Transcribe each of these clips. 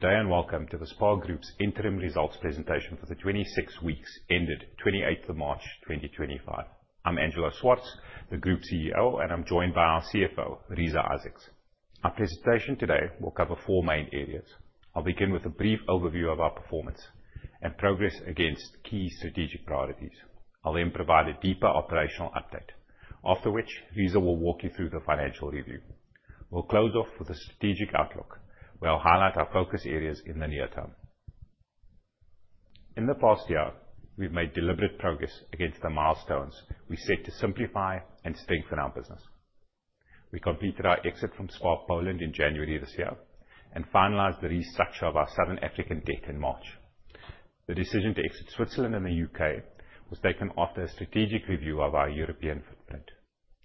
Today and welcome to the SPAR Group's interim results presentation for the 26 weeks ended 28 March 2025. I'm Angelo Swartz, the Group CEO, and I'm joined by our CFO, Reeza Isaacs. Our presentation today will cover four main areas. I'll begin with a brief overview of our performance and progress against key strategic priorities. I'll then provide a deeper operational update, after which Reeza will walk you through the financial review. We'll close off with a strategic outlook, where I'll highlight our focus areas in the near term. In the past year, we've made deliberate progress against the milestones we set to simplify and strengthen our business. We completed our exit from SPAR Poland in January this year and finalized the restructure of our Southern African debt in March. The decision to exit Switzerland and the U.K. was taken after a strategic review of our European footprint.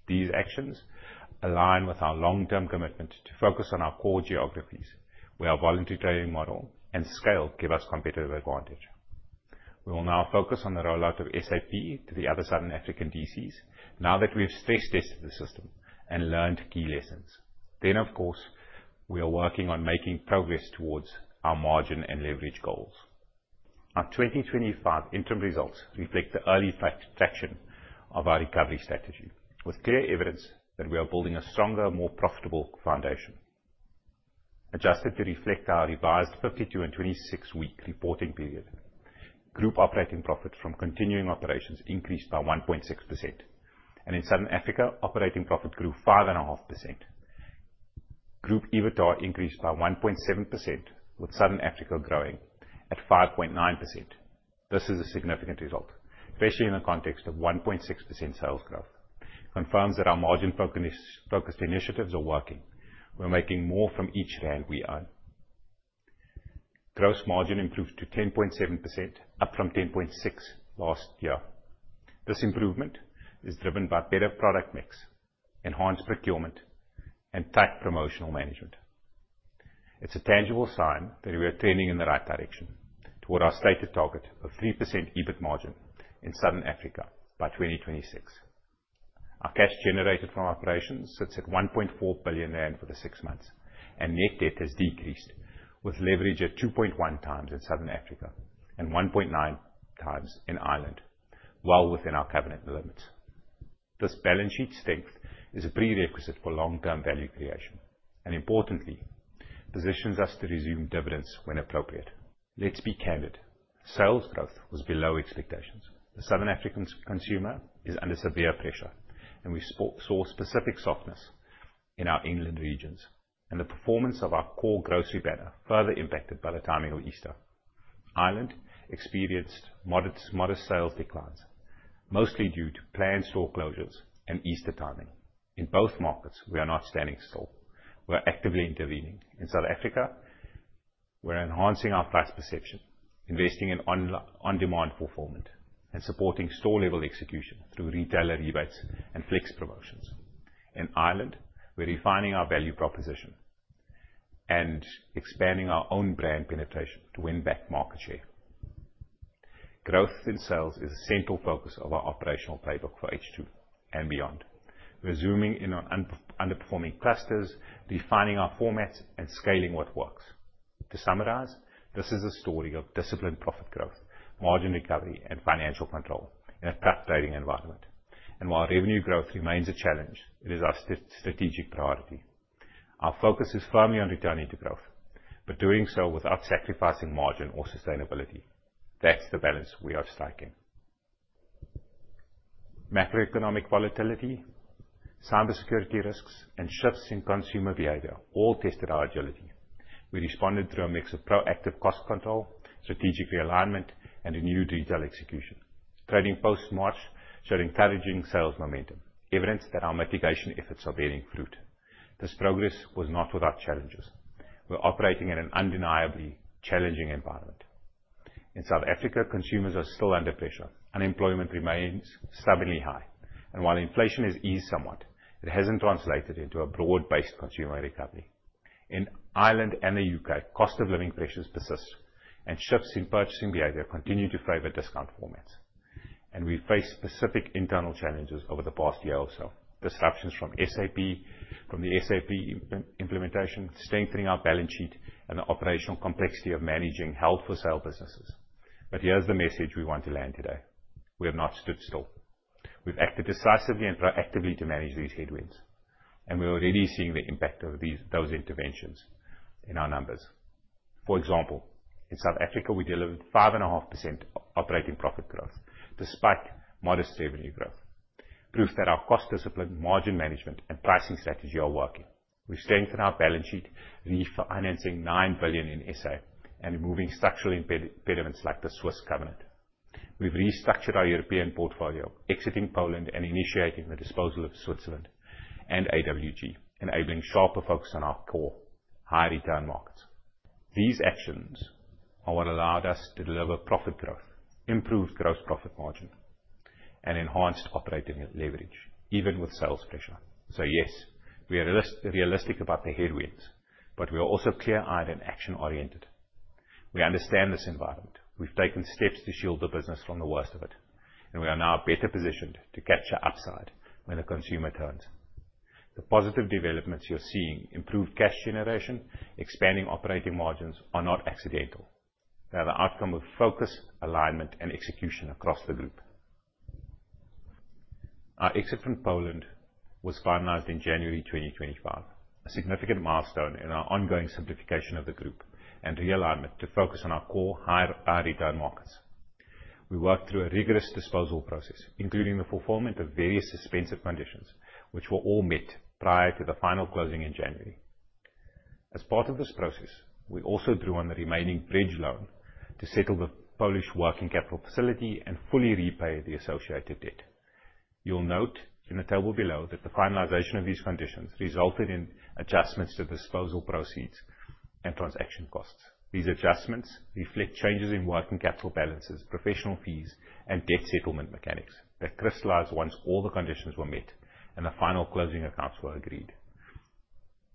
These actions align with our long-term commitment to focus on our core geographies, where our voluntary trading model and scale give us competitive advantage. We will now focus on the rollout of SAP to the other Southern African DCs, now that we have stress-tested the system and learned key lessons. Then, of course, we are working on making progress towards our margin and leverage goals. Our 2025 interim results reflect the early traction of our recovery strategy, with clear evidence that we are building a stronger, more profitable foundation. Adjusted to reflect our revised 52 and 26-week reporting period, Group operating profit from continuing operations increased by 1.6%, and in Southern Africa, operating profit grew 5.5%. Group EBITDA increased by 1.7%, with Southern Africa growing at 5.9%. This is a significant result, especially in the context of 1.6% sales growth. It confirms that our margin-focused initiatives are working. We're making more from each rand we earn. Gross margin improved to 10.7%, up from 10.6% last year. This improvement is driven by better product mix, enhanced procurement, and tight promotional management. It's a tangible sign that we are turning in the right direction toward our stated target of 3% EBIT margin in Southern Africa by 2026. Our cash generated from operations sits at 1.4 billion rand for the six months, and net debt has decreased, with leverage at 2.1 times in Southern Africa and 1.9 times in Ireland, well within our covenant limits. This balance sheet strength is a prerequisite for long-term value creation and, importantly, positions us to resume dividends when appropriate. Let's be candid: sales growth was below expectations. The Southern African consumer is under severe pressure, and we saw specific softness in our inland regions, and the performance of our core grocery banner further impacted by the timing of Easter. Ireland experienced modest sales declines, mostly due to planned store closures and Easter timing. In both markets, we are not standing still. We're actively intervening. In South Africa, we're enhancing our price perception, investing in on-demand fulfillment, and supporting store-level execution through retailer rebates and flex promotions. In Ireland, we're refining our value proposition and expanding our own brand penetration to win back market share. Growth in sales is a central focus of our operational playbook for H2 and beyond. We're zooming in on underperforming clusters, refining our formats, and scaling what works. To summarize, this is a story of disciplined profit growth, margin recovery, and financial control in a tough trading environment. While revenue growth remains a challenge, it is our strategic priority. Our focus is firmly on returning to growth, but doing so without sacrificing margin or sustainability. That's the balance we are striking. Macroeconomic volatility, cybersecurity risks, and shifts in consumer behavior all tested our agility. We responded through a mix of proactive cost control, strategic realignment, and renewed retail execution. Trading post-March showed encouraging sales momentum, evidence that our mitigation efforts are bearing fruit. This progress was not without challenges. We're operating in an undeniably challenging environment. In South Africa, consumers are still under pressure. Unemployment remains stubbornly high, and while inflation has eased somewhat, it hasn't translated into a broad-based consumer recovery. In Ireland and the U.K., cost of living pressures persist, and shifts in purchasing behavior continue to favor discount formats. We've faced specific internal challenges over the past year or so: disruptions from the SAP implementation, strengthening our balance sheet, and the operational complexity of managing held for sale businesses. But here's the message we want to land today: we have not stood still. We've acted decisively and proactively to manage these headwinds, and we're already seeing the impact of those interventions in our numbers. For example, in South Africa, we delivered 5.5% operating profit growth despite modest revenue growth, proof that our cost discipline, margin management, and pricing strategy are working. We've strengthened our balance sheet, refinancing 9 billion in SA and removing structural impediments like the Swiss covenant. We've restructured our European portfolio, exiting Poland and initiating the disposal of Switzerland and AWG, enabling sharper focus on our core, higher return markets. These actions are what allowed us to deliver profit growth, improved gross profit margin, and enhanced operating leverage, even with sales pressure. So yes, we are realistic about the headwinds, but we are also clear-eyed and action-oriented. We understand this environment. We've taken steps to shield the business from the worst of it, and we are now better positioned to catch our upside when the consumer turns. The positive developments you're seeing, improved cash generation, expanding operating margins, are not accidental. They are the outcome of focus, alignment, and execution across the group. Our exit from Poland was finalized in January 2025, a significant milestone in our ongoing simplification of the group and realignment to focus on our core, higher return markets. We worked through a rigorous disposal process, including the fulfillment of various suspensive conditions, which were all met prior to the final closing in January. As part of this process, we also drew on the remaining bridge loan to settle the Polish working capital facility and fully repay the associated debt. You'll note in the table below that the finalization of these conditions resulted in adjustments to disposal proceeds and transaction costs. These adjustments reflect changes in working capital balances, professional fees, and debt settlement mechanics that crystallized once all the conditions were met and the final closing accounts were agreed.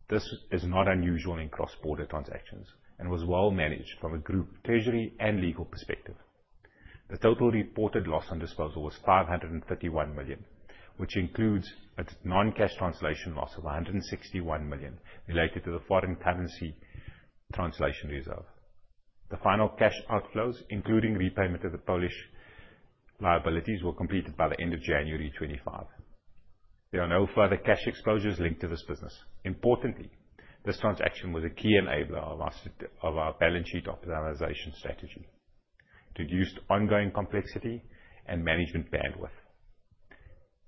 This is not unusual in cross-border transactions and was well managed from a group, treasury, and legal perspective. The total reported loss on disposal was 531 million, which includes a non-cash translation loss of 161 million related to the foreign currency translation Reeza. The final cash outflows, including repayment of the Polish liabilities, were completed by the end of January 2025. There are no further cash exposures linked to this business. Importantly, this transaction was a key enabler of our balance sheet optimization strategy. It reduced ongoing complexity and management bandwidth,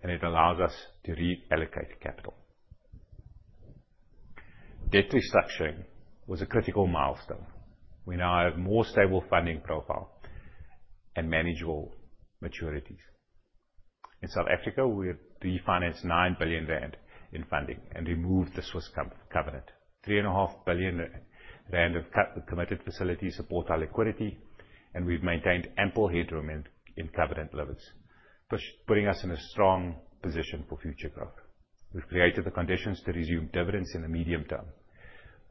and it allows us to reallocate capital. Debt restructuring was a critical milestone. We now have a more stable funding profile and manageable maturities. In South Africa, we have refinanced 9 billion rand in funding and removed the Swiss covenant. 3.5 billion rand of committed facilities support our liquidity, and we've maintained ample headroom in covenant levers, putting us in a strong position for future growth. We've created the conditions to resume dividends in the medium term.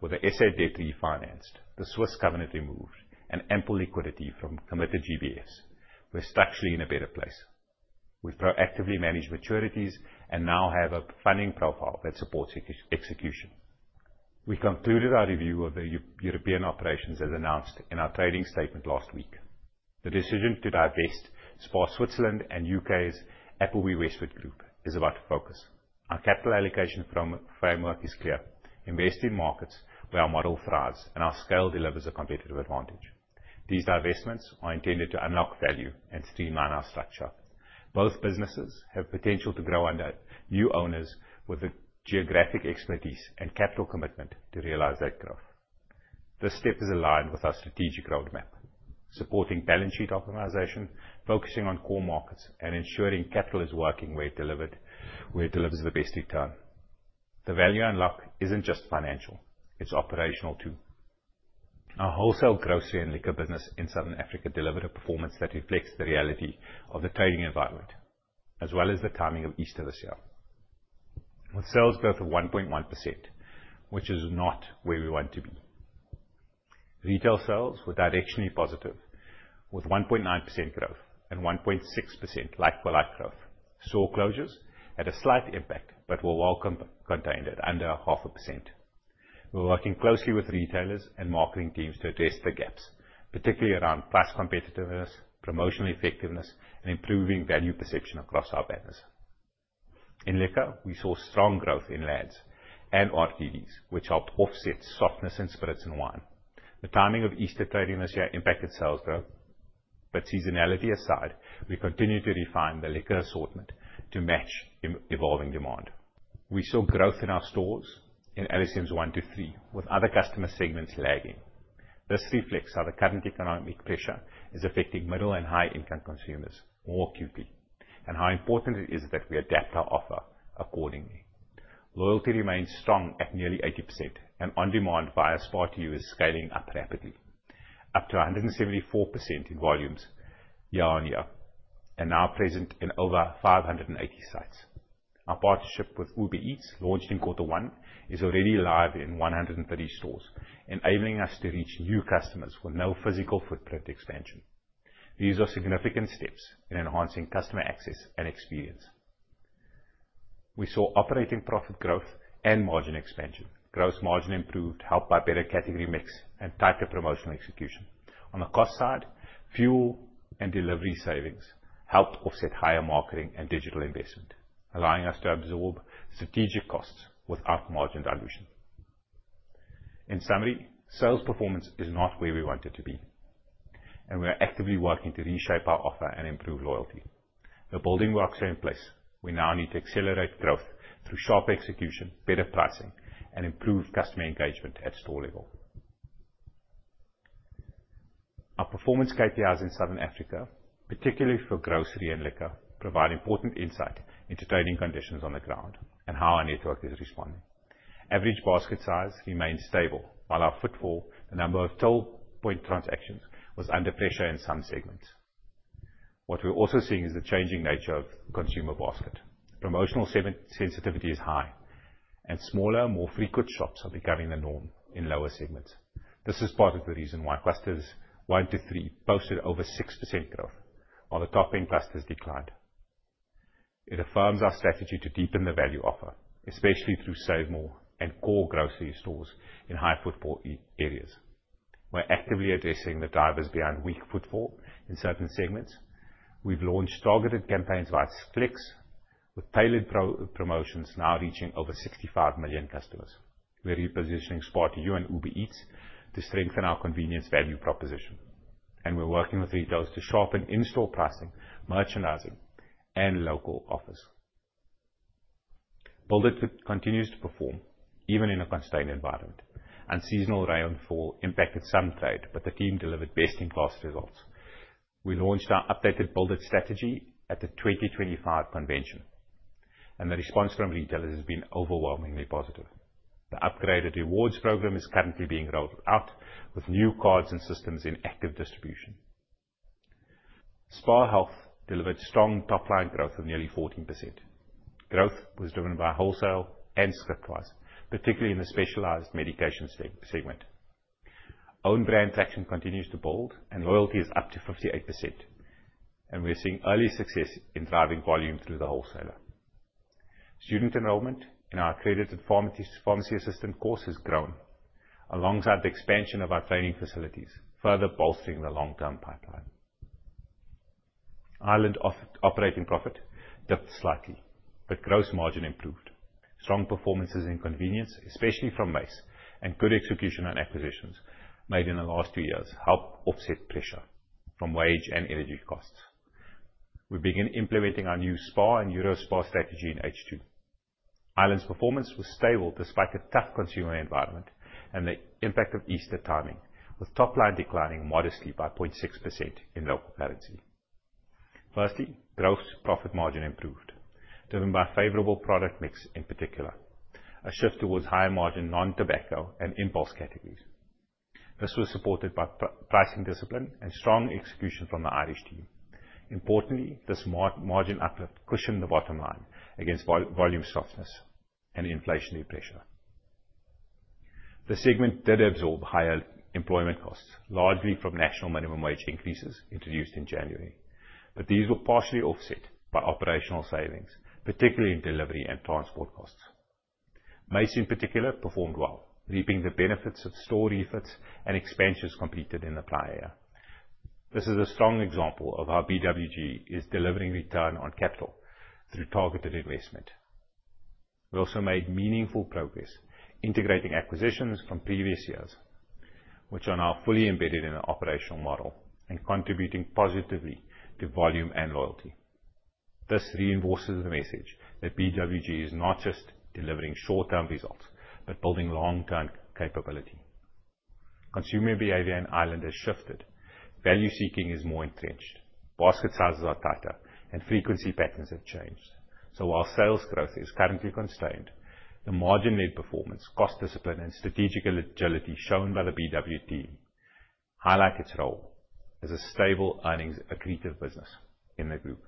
With the SA debt refinanced, the Swiss covenant removed, and ample liquidity from committed GBFs, we're structurally in a better place. We've proactively managed maturities and now have a funding profile that supports execution. We concluded our review of the European operations as announced in our trading statement last week. The decision to divest SPAR Switzerland and U.K.'s Appleby Westward Group is about to focus. Our capital allocation framework is clear: invest in markets where our model thrives and our scale delivers a competitive advantage. These divestments are intended to unlock value and streamline our structure. Both businesses have potential to grow under new owners with the geographic expertise and capital commitment to realize that growth. This step is aligned with our strategic roadmap, supporting balance sheet optimization, focusing on core markets, and ensuring capital is working where it delivers the best return. The value unlock isn't just financial. It's operational too. Our wholesale, grocery, and liquor business in Southern Africa delivered a performance that reflects the reality of the trading environment, as well as the timing of Easter this year, with sales growth of 1.1%, which is not where we want to be. Retail sales were directionally positive, with 1.9% growth and 1.6% like-for-like growth. Store closures had a slight impact but were well contained at under 0.5%. We're working closely with retailers and marketing teams to address the gaps, particularly around price competitiveness, promotional effectiveness, and improving value perception across our banners. In liquor, we saw strong growth in LADs and RTDs, which helped offset softness in spirits and wine. The timing of Easter trading this year impacted sales growth, but seasonality aside, we continue to refine the liquor assortment to match evolving demand. We saw growth in our stores in LSMs one to three, with other customer segments lagging. This reflects how the current economic pressure is affecting middle and high-income consumers more acutely and how important it is that we adapt our offer accordingly. Loyalty remains strong at nearly 80%, and on-demand via SPAR2U is scaling up rapidly, up to 174% in volumes year on year and now present in over 580 sites. Our partnership with Uber Eats, launched in quarter one, is already live in 130 stores, enabling us to reach new customers with no physical footprint expansion. These are significant steps in enhancing customer access and experience. We saw operating profit growth and margin expansion. Gross margin improved, helped by better category mix and tighter promotional execution. On the cost side, fuel and delivery savings helped offset higher marketing and digital investment, allowing us to absorb strategic costs without margin dilution. In summary, sales performance is not where we want it to be, and we are actively working to reshape our offer and improve loyalty. The building works are in place. We now need to accelerate growth through sharp execution, better pricing, and improved customer engagement at store level. Our performance KPIs in Southern Africa, particularly for grocery and liquor, provide important insight into trading conditions on the ground and how our network is responding. Average basket size remained stable, while our footfall, the number of total point transactions, was under pressure in some segments. What we're also seeing is the changing nature of consumer basket. Promotional sensitivity is high, and smaller, more frequent shops are becoming the norm in lower segments. This is part of the reason why clusters one to three posted over 6% growth, while the top-end clusters declined. It affirms our strategy to deepen the value offer, especially through SaveMor and core grocery stores in high-footfall areas. We're actively addressing the drivers beyond weak footfall in certain segments. We've launched targeted campaigns via Flex, with tailored promotions now reaching over 65 million customers. We're repositioning SPAR2U and Uber Eats to strengthen our convenience value proposition, and we're working with retailers to sharpen in-store pricing, merchandising, and local Build it continues to perform even in a constrained environment. Unseasonal rainfall impacted some trade, but the team delivered best-in-class results. We launched our Build it strategy at the 2025 convention, and the response from retailers has been overwhelmingly positive. The upgraded rewards program is currently being rolled out, with new cards and systems in active distribution. SPAR Health delivered strong top-line growth of nearly 14%. Growth was driven by wholesale and Scriptpharm, particularly in the specialized medication segment. Own brand traction continues to build, and loyalty is up to 58%, and we're seeing early success in driving volume through the wholesaler. Student enrollment in our accredited pharmacy assistant course has grown alongside the expansion of our training facilities, further bolstering the long-term pipeline. Ireland's operating profit dipped slightly, but gross margin improved. Strong performances in convenience, especially from Mace, and good execution on acquisitions made in the last two years helped offset pressure from wage and energy costs. We've begun implementing our new SPAR and Eurospar strategy in H2. Ireland's performance was stable despite the tough consumer environment and the impact of Easter timing, with top-line declining modestly by 0.6% in local currency. Firstly, gross profit margin improved, driven by a favorable product mix in particular, a shift towards higher margin non-tobacco and impulse categories. This was supported by pricing discipline and strong execution from the Irish team. Importantly, this margin uplift cushioned the bottom line against volume softness and inflationary pressure. The segment did absorb higher employment costs, largely from national minimum wage increases introduced in January, but these were partially offset by operational savings, particularly in delivery and transport costs. Mace, in particular, performed well, reaping the benefits of store refits and expansions completed in the prior year. This is a strong example of how BWG is delivering return on capital through targeted investment. We also made meaningful progress integrating acquisitions from previous years, which are now fully embedded in the operational model and contributing positively to volume and loyalty. This reinforces the message that BWG is not just delivering short-term results but building long-term capability. Consumer behavior in Ireland has shifted. Value seeking is more entrenched. Basket sizes are tighter, and frequency patterns have changed. So while sales growth is currently constrained, the margin-led performance, cost discipline, and strategic agility shown by the BWG highlight its role as a stable, earnings-accretive business in the group.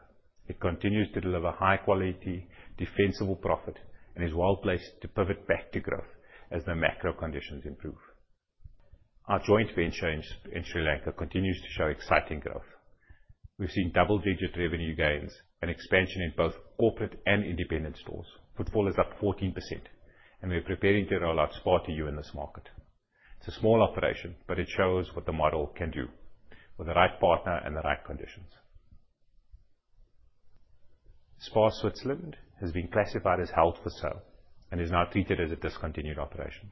It continues to deliver high-quality, defensible profit and is well placed to pivot back to growth as the macro conditions improve. Our joint venture in Sri Lanka continues to show exciting growth. We've seen double-digit revenue gains and expansion in both corporate and independent stores. Footfall is up 14%, and we're preparing to roll out SPAR2U in this market. It's a small operation, but it shows what the model can do with the right partner and the right conditions. SPAR Switzerland has been classified as held for sale and is now treated as a discontinued operation.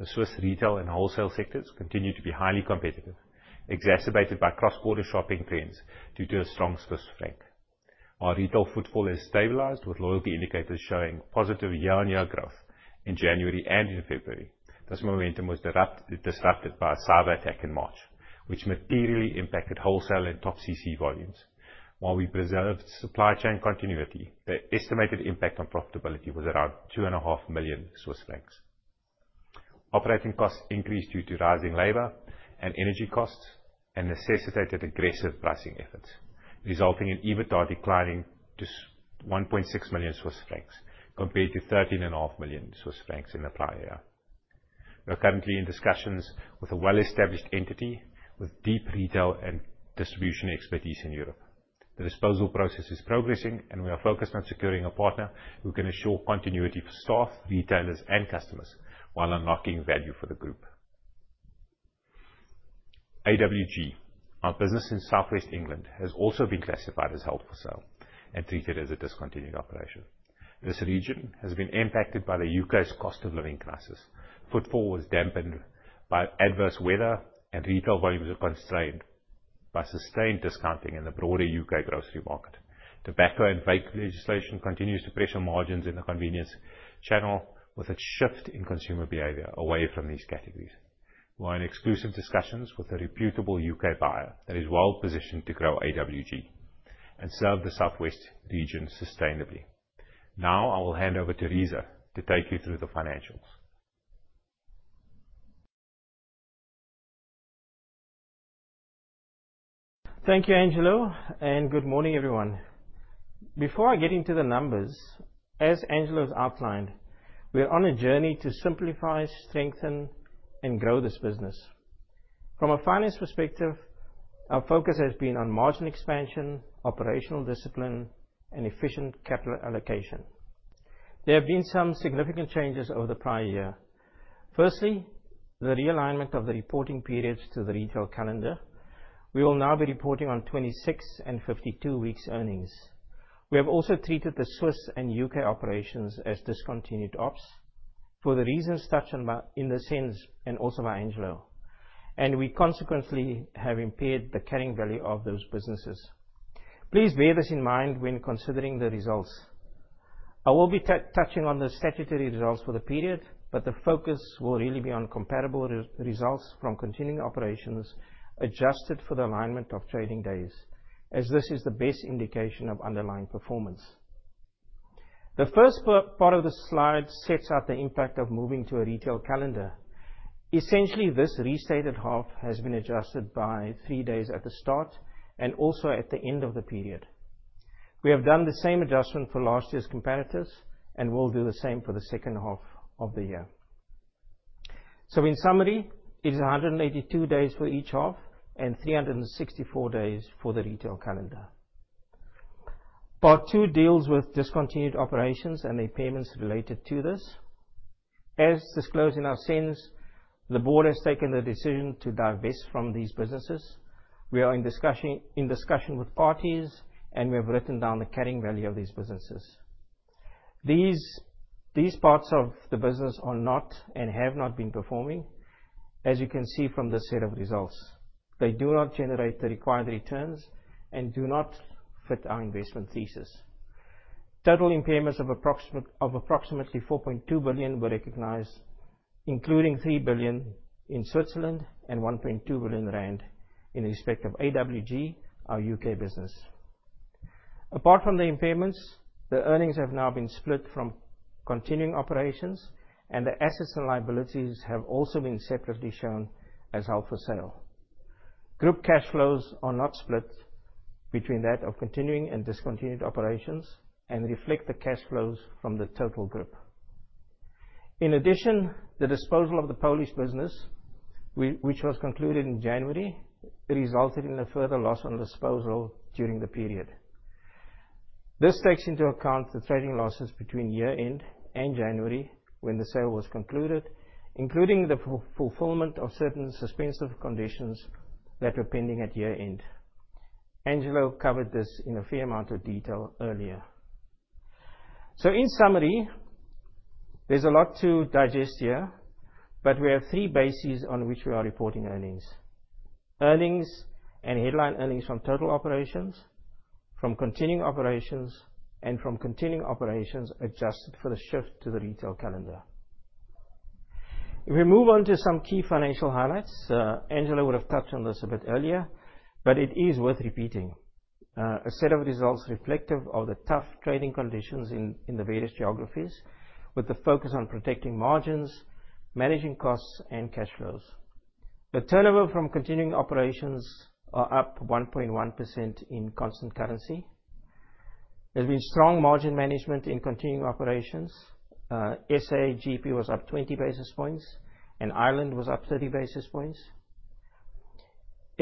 The Swiss retail and wholesale sectors continue to be highly competitive, exacerbated by cross-border shopping trends due to a strong Swiss franc. Our retail footfall is stabilized, with loyalty indicators showing positive year-on-year growth in January and in February. This momentum was disrupted by a cyber attack in March, which materially impacted wholesale and TopCC volumes. While we preserved supply chain continuity, the estimated impact on profitability was around 2.5 million Swiss francs. Operating costs increased due to rising labor and energy costs, and necessitated aggressive pricing efforts, resulting in EBITDA declining to 1.6 million Swiss francs compared to 13.5 million Swiss francs in the prior year. We're currently in discussions with a well-established entity with deep retail and distribution expertise in Europe. The disposal process is progressing, and we are focused on securing a partner who can ensure continuity for staff, retailers, and customers while unlocking value for the group. AWG, our business in southwest England, has also been classified as held for sale and treated as a discontinued operation. This region has been impacted by the U.K.'s cost of living crisis. Footfall was dampened by adverse weather, and retail volumes are constrained by sustained discounting in the broader U.K. grocery market. Tobacco and vape legislation continues to pressure margins in the convenience channel, with a shift in consumer behavior away from these categories. We're in exclusive discussions with a reputable U.K. buyer that is well positioned to grow AWG and serve the southwest region sustainably. Now I will hand over to Reeza to take you through the financials. Thank you, Angelo, and good morning, everyone. Before I get into the numbers, as Angelo has outlined, we're on a journey to simplify, strengthen, and grow this business. From a finance perspective, our focus has been on margin expansion, operational discipline, and efficient capital allocation. There have been some significant changes over the prior year. Firstly, the realignment of the reporting periods to the retail calendar. We will now be reporting on 26 and 52 weeks' earnings. We have also treated the Swiss and U.K. operations as discontinued ops for the reasons touched in the SENS and also by Angelo, and we consequently have impaired the carrying value of those businesses. Please bear this in mind when considering the results. I will be touching on the statutory results for the period, but the focus will really be on comparable results from continuing operations adjusted for the alignment of trading days, as this is the best indication of underlying performance. The first part of the slide sets out the impact of moving to a retail calendar. Essentially, this restated half has been adjusted by three days at the start and also at the end of the period. We have done the same adjustment for last year's competitors and will do the same for the second half of the year. In summary, it is 182 days for each half and 364 days for the retail calendar. Part two deals with discontinued operations and the payments related to this. As disclosed in our SENS, the board has taken the decision to divest from these businesses. We are in discussion with parties, and we have written down the carrying value of these businesses. These parts of the business are not and have not been performing, as you can see from this set of results. They do not generate the required returns and do not fit our investment thesis. Total impairments of approximately 4.2 billion were recognized, including 3 billion in Switzerland and 1.2 billion rand in respect of AWG, our U.K. business. Apart from the impairments, the earnings have now been split from continuing operations, and the assets and liabilities have also been separately shown as held for sale. Group cash flows are not split between that of continuing and discontinued operations and reflect the cash flows from the total group. In addition, the disposal of the Polish business, which was concluded in January, resulted in a further loss on disposal during the period. This takes into account the trading losses between year-end and January when the sale was concluded, including the fulfillment of certain suspensive conditions that were pending at year-end. Angelo covered this in a fair amount of detail earlier. In summary, there's a lot to digest here, but we have three bases on which we are reporting earnings: earnings and headline earnings from total operations, from continuing operations, and from continuing operations adjusted for the shift to the retail calendar. If we move on to some key financial highlights, Angelo would have touched on this a bit earlier, but it is worth repeating: a set of results reflective of the tough trading conditions in the various geographies, with the focus on protecting margins, managing costs, and cash flows. The turnover from continuing operations is up 1.1% in constant currency. There's been strong margin management in continuing operations. SA GP was up 20 basis points, and Ireland was up 30 basis points.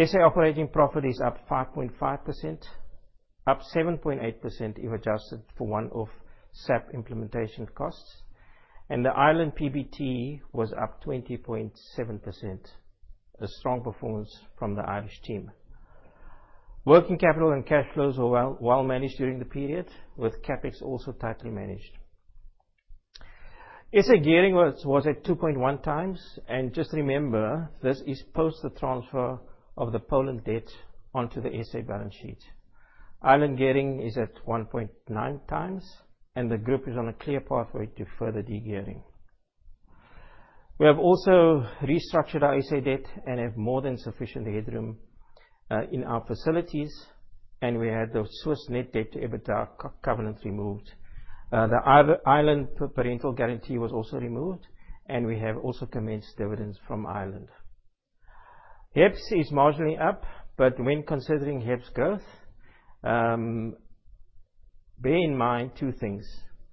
SA operating profit is up 5.5%, up 7.8% if adjusted for one-off SAP implementation costs, and the Ireland PBT was up 20.7%, a strong performance from the Irish team. Working capital and cash flows were well managed during the period, with CapEx also tightly managed. SA gearing was at 2.1 times, and just remember, this is post the transfer of the Poland debt onto the SA balance sheet. Ireland gearing is at 1.9 times, and the group is on a clear pathway to further de-gearing. We have also restructured our SA debt and have more than sufficient headroom in our facilities, and we had the Swiss net debt to EBITDA covenant removed. The Ireland parent guarantee was also removed, and we have also commenced dividends from Ireland. HEPS is marginally up, but when considering HEPS growth, bear in mind two things.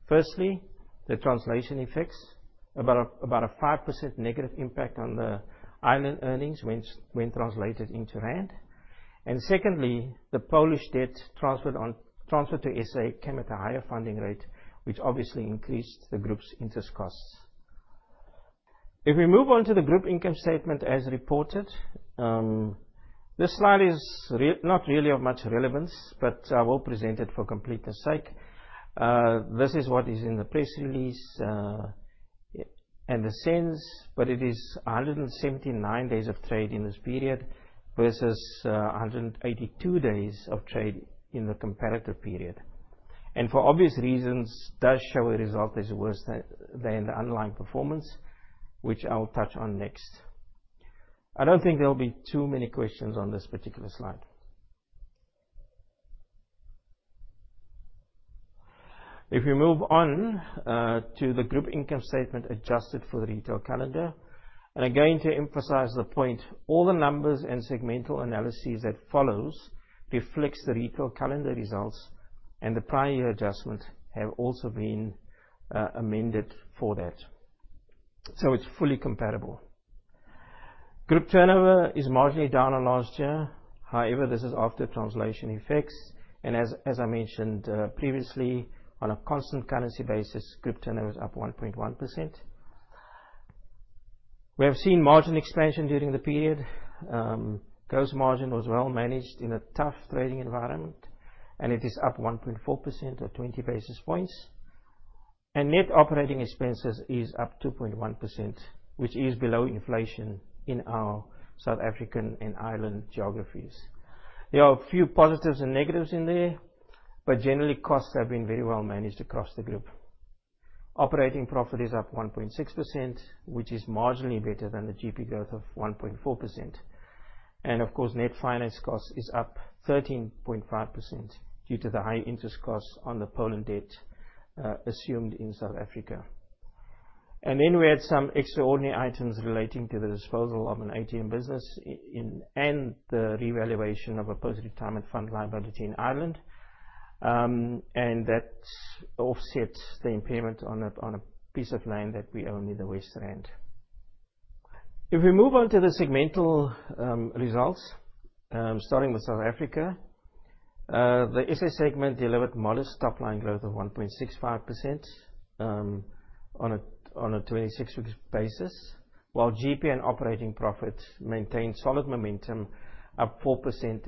Firstly, the translation effects, about a 5% negative impact on the Ireland earnings when translated into rand. And secondly, the Polish debt transferred to SA came at a higher funding rate, which obviously increased the group's interest costs. If we move on to the group income statement as reported, this slide is not really of much relevance, but I will present it for completeness' sake. This is what is in the press release and the SENS, but it is 179 days of trade in this period versus 182 days of trade in the comparative period. And for obvious reasons, does show a result that is worse than the underlying performance, which I will touch on next. I don't think there will be too many questions on this particular slide. If we move on to the group income statement adjusted for the retail calendar, and I'm going to emphasize the point, all the numbers and segmental analyses that follow reflect the retail calendar results, and the prior year adjustment have also been amended for that, so it's fully comparable. Group turnover is marginally down on last year. However, this is after translation effects, and as I mentioned previously, on a constant currency basis, group turnover is up 1.1%. We have seen margin expansion during the period. Gross margin was well managed in a tough trading environment, and it is up 1.4% or 20 basis points, and net operating expenses is up 2.1%, which is below inflation in our South African and Ireland geographies. There are a few positives and negatives in there, but generally, costs have been very well managed across the group. Operating profit is up 1.6%, which is marginally better than the GP growth of 1.4%, and of course, net finance cost is up 13.5% due to the high interest costs on the Poland debt assumed in South Africa, and then we had some extraordinary items relating to the disposal of an ATM business and the revaluation of a post-retirement fund liability in Ireland, and that offsets the impairment on a piece of land that we own in the West Rand. If we move on to the segmental results, starting with South Africa, the SA segment delivered modest top-line growth of 1.65% on a 26-week basis, while GP and operating profit maintained solid momentum at 4%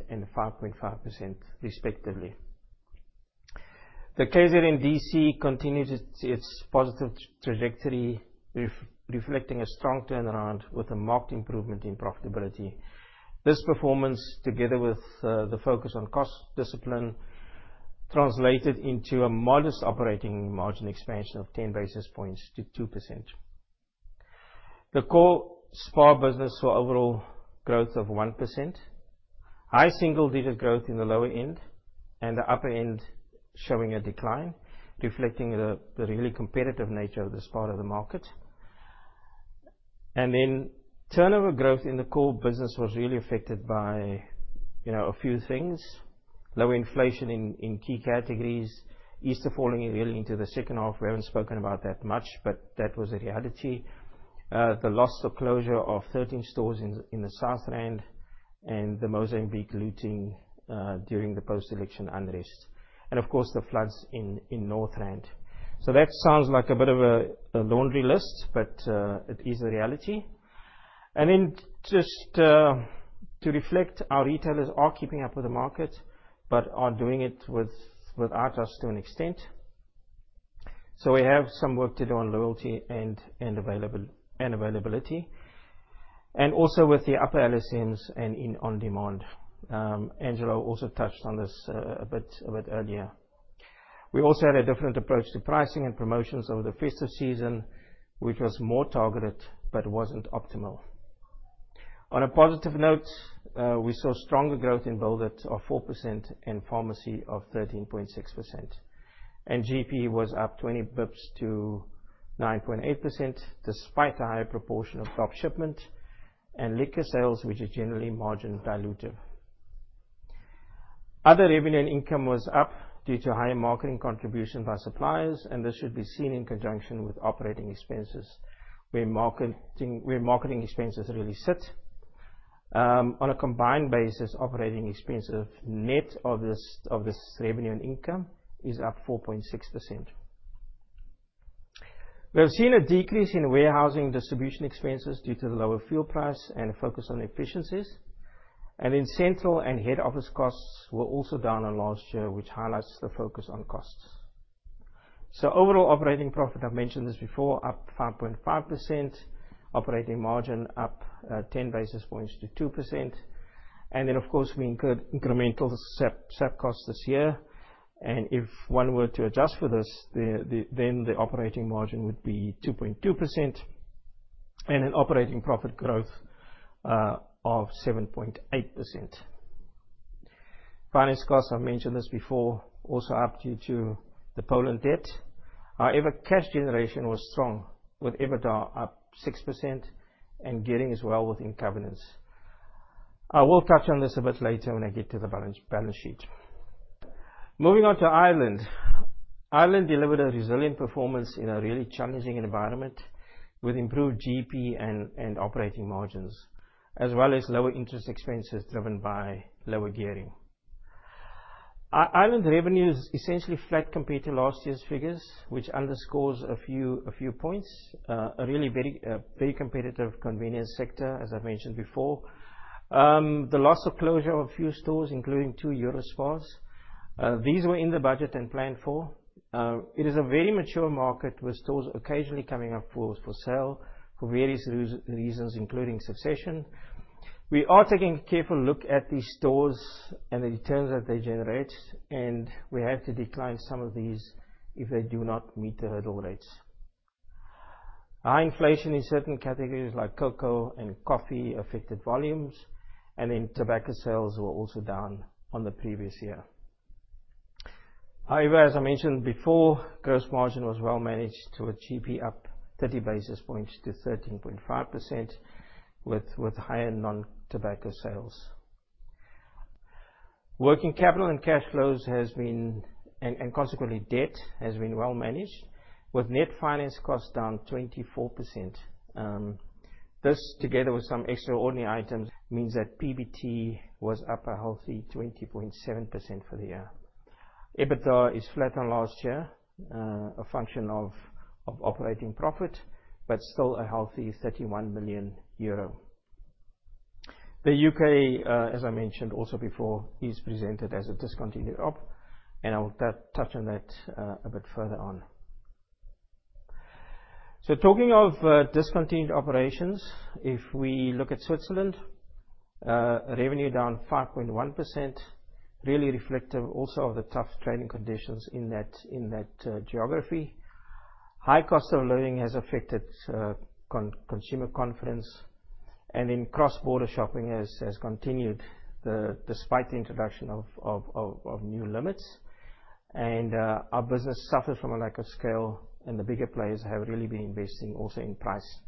and 5.5% respectively. The KZNDC continued its positive trajectory, reflecting a strong turnaround with a marked improvement in profitability. This performance, together with the focus on cost discipline, translated into a modest operating margin expansion of 10 basis points to 2%. The core SPAR business saw overall growth of 1%, high single-digit growth in the lower end, and the upper end showing a decline, reflecting the really competitive nature of the SPAR end of the market, and then turnover growth in the core business was really affected by a few things: low inflation in key categories, Easter falling really into the second half, we haven't spoken about that much, but that was a reality, the loss of closure of 13 stores in the south end and the Mozambique looting during the post-election unrest, and of course, the floods in north end, so that sounds like a bit of a laundry list, but it is a reality. And then just to reflect, our retailers are keeping up with the market, but are doing it without us to an extent. We have some work to do on loyalty and availability, and also with the upper LSMs and in on-demand. Angelo also touched on this a bit earlier. We also had a different approach to pricing and promotions over the festive season, which was more targeted but wasn't optimal. On a positive note, we saw stronger growth in Build it of 4% and pharmacy of 13.6%. And GP was up 20 basis points to 9.8% despite a higher proportion of drop shipment and liquor sales, which is generally margin dilutive. Other revenue and income was up due to higher marketing contribution by suppliers, and this should be seen in conjunction with operating expenses, where marketing expenses really sit. On a combined basis, operating expenses net of this revenue and income is up 4.6%. We have seen a decrease in warehousing and distribution expenses due to the lower fuel price and a focus on efficiencies. And then central and head office costs were also down on last year, which highlights the focus on costs. Overall operating profit, I've mentioned this before, up 5.5%, operating margin up 10 basis points to 2%. And then, of course, we incremental SAP costs this year. And if one were to adjust for this, then the operating margin would be 2.2% and an operating profit growth of 7.8%. Finance costs, I've mentioned this before, also up due to the Poland debt. However, cash generation was strong with EBITDA up 6% and gearing as well within covenants. I will touch on this a bit later when I get to the balance sheet. Moving on to Ireland. Ireland delivered a resilient performance in a really challenging environment with improved GP and operating margins, as well as lower interest expenses driven by lower gearing. Ireland's revenues essentially flat compared to last year's figures, which underscores a few points. A really very competitive convenience sector, as I've mentioned before. The loss of closure of a few stores, including two Eurospar. These were in the budget and planned for. It is a very mature market with stores occasionally coming up for sale for various reasons, including succession. We are taking a careful look at these stores and the returns that they generate, and we have to decline some of these if they do not meet the hurdle rates. High inflation in certain categories like cocoa and coffee affected volumes, and then tobacco sales were also down on the previous year. However, as I mentioned before, gross margin was well managed to a GP up 30 basis points to 13.5% with higher non-tobacco sales. Working capital and cash flows has been, and consequently debt has been well managed, with net finance costs down 24%. This, together with some extraordinary items, means that PBT was up a healthy 20.7% for the year. EBITDA is flat on last year, a function of operating profit, but still a healthy 31 million euro. The U.K., as I mentioned also before, is presented as a discontinued op, and I will touch on that a bit further on. Talking of discontinued operations, if we look at Switzerland, revenue down 5.1%, really reflective also of the tough trading conditions in that geography. High cost of living has affected consumer confidence, and then cross-border shopping has continued despite the introduction of new limits. Our business suffered from a lack of scale, and the bigger players have really been investing also in price.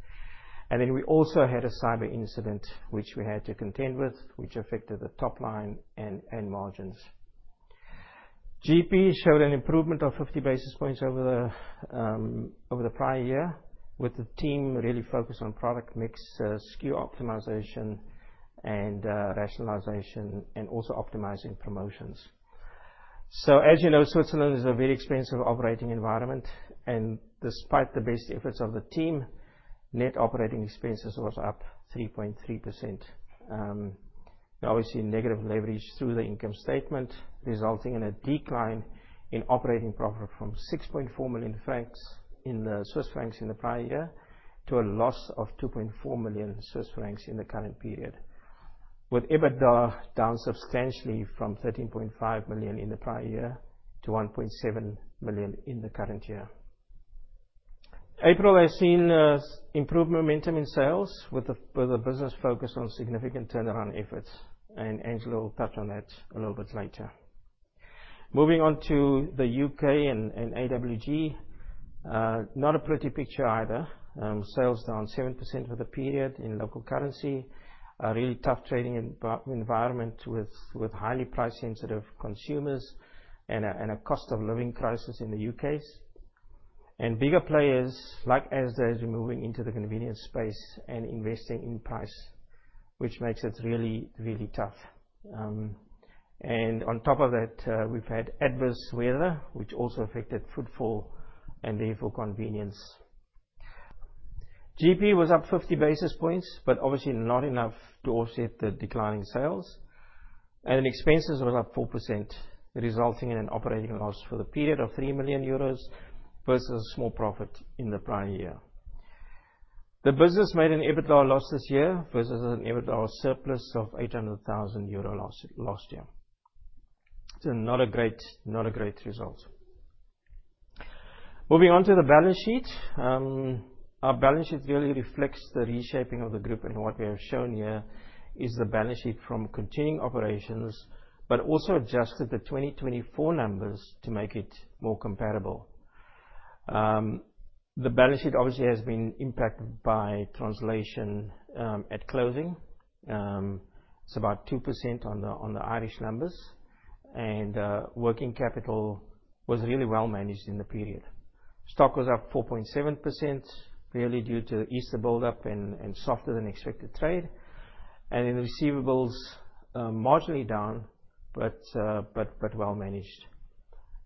And then we also had a cyber incident, which we had to contend with, which affected the top line and margins. GP showed an improvement of 50 basis points over the prior year, with the team really focused on product mix, SKU optimization, and rationalization, and also optimizing promotions. As you know, Switzerland is a very expensive operating environment, and despite the best efforts of the team, net operating expenses was up 3.3%. Now, we've seen negative leverage through the income statement, resulting in a decline in operating profit from 6.4 million francs in the prior year to a loss of 2.4 million Swiss francs in the current period, with EBITDA down substantially from 13.5 million in the prior year to 1.7 million in the current year. April has seen improved momentum in sales, with the business focused on significant turnaround efforts, and Angelo will touch on that a little bit later. Moving on to the U.K. and AWG, not a pretty picture either. Sales down 7% for the period in local currency, a really tough trading environment with highly price-sensitive consumers and a cost of living crisis in the U.K. And bigger players like Asda are moving into the convenience space and investing in price, which makes it really, really tough. And on top of that, we've had adverse weather, which also affected food and, therefore, convenience. GP was up 50 basis points, but obviously not enough to offset the declining sales. And then expenses were up 4%, resulting in an operating loss for the period of 3 million euros versus a small profit in the prior year. The business made an EBITDA loss this year versus an EBITDA surplus of 800,000 euro last year. Not a great result. Moving on to the balance sheet. Our balance sheet really reflects the reshaping of the group, and what we have shown here is the balance sheet from continuing operations, but also adjusted the 2024 numbers to make it more comparable. The balance sheet obviously has been impacted by translation at closing. It's about 2% on the Irish numbers, and working capital was really well managed in the period. Stock was up 4.7%, really due to Easter build-up and softer than expected trade. And then receivables marginally down, but well managed.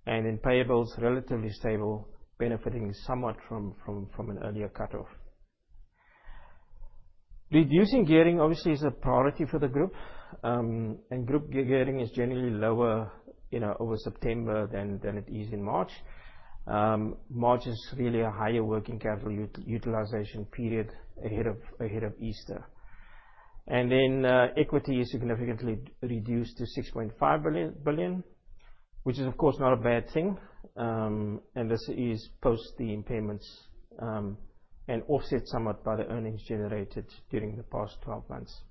And then payables relatively stable, benefiting somewhat from an earlier cutoff. Reducing gearing obviously is a priority for the group, and group gearing is generally lower over September than it is in March. March is really a higher working capital utilization period ahead of Easter. And then equity is significantly reduced to 6.5 billion, which is of course not a bad thing. And this is post the impairments and offset somewhat by the earnings generated during the past 12 months.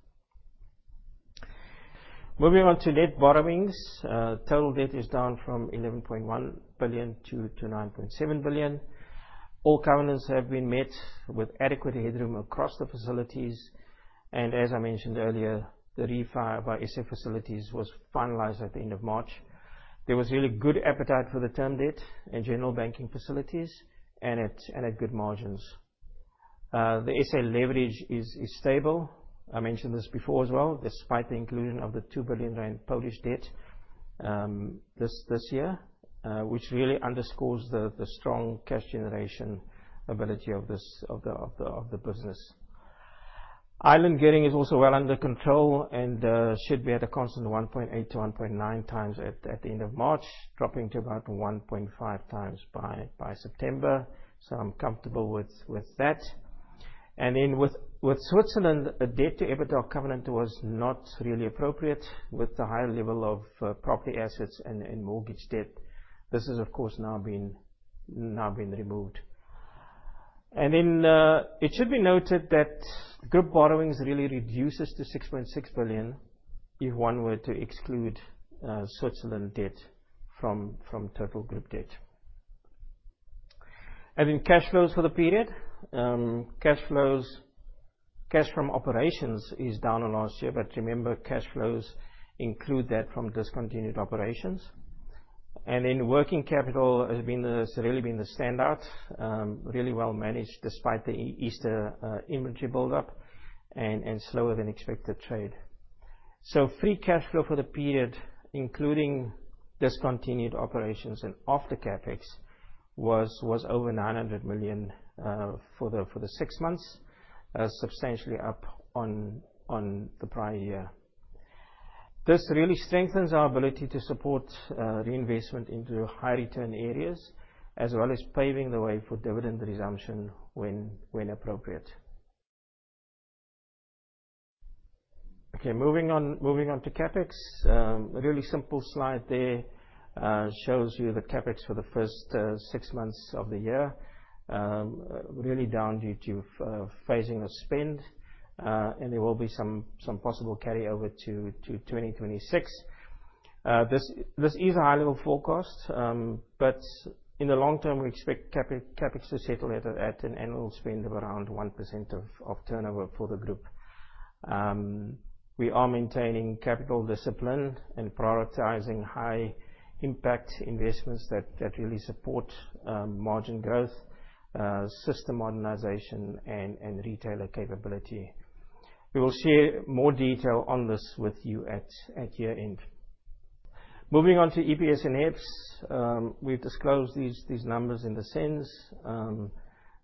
Moving on to net borrowings, total debt is down from 11.1 billion to 9.7 billion. All covenants have been met with adequate headroom across the facilities. And as I mentioned earlier, the refinancing of SA facilities was finalized at the end of March. There was really good appetite for the term debt and general banking facilities, and at good margins. The SA leverage is stable. I mentioned this before as well, despite the inclusion of the 2 billion rand Polish debt this year, which really underscores the strong cash generation ability of the business. Ireland gearing is also well under control and should be at a constant 1.8-1.9 times at the end of March, dropping to about 1.5 times by September, I'm comfortable with that, and then with Switzerland, a debt-to-EBITDA covenant was not really appropriate with the higher level of property assets and mortgage debt. This has of course now been removed, and then it should be noted that group borrowings really reduces to 6.6 billion if one were to exclude Switzerland debt from total group debt, and then cash flows for the period. Cash flows, cash from operations is down last year, but remember cash flows include that from discontinued operations, and then working capital has really been the standout, really well managed despite the Easter inventory build-up and slower than expected trade, free cash flow for the period, including discontinued operations and off the CapEx, was over 900 million for the six months, substantially up on the prior year. This really strengthens our ability to support reinvestment into high return areas, as well as paving the way for dividend resumption when appropriate. Okay, moving on to CapEx. A really simple slide there shows you the CapEx for the first six months of the year, really down due to phasing of spend, and there will be some possible carryover to 2026. This is a high-level forecast, but in the long term, we expect CapEx to settle at an annual spend of around 1% of turnover for the group. We are maintaining capital discipline and prioritizing high-impact investments that really support margin growth, system modernization, and retailer capability. We will share more detail on this with you at year end. Moving on to EPS and EPS. We've disclosed these numbers in the SENS,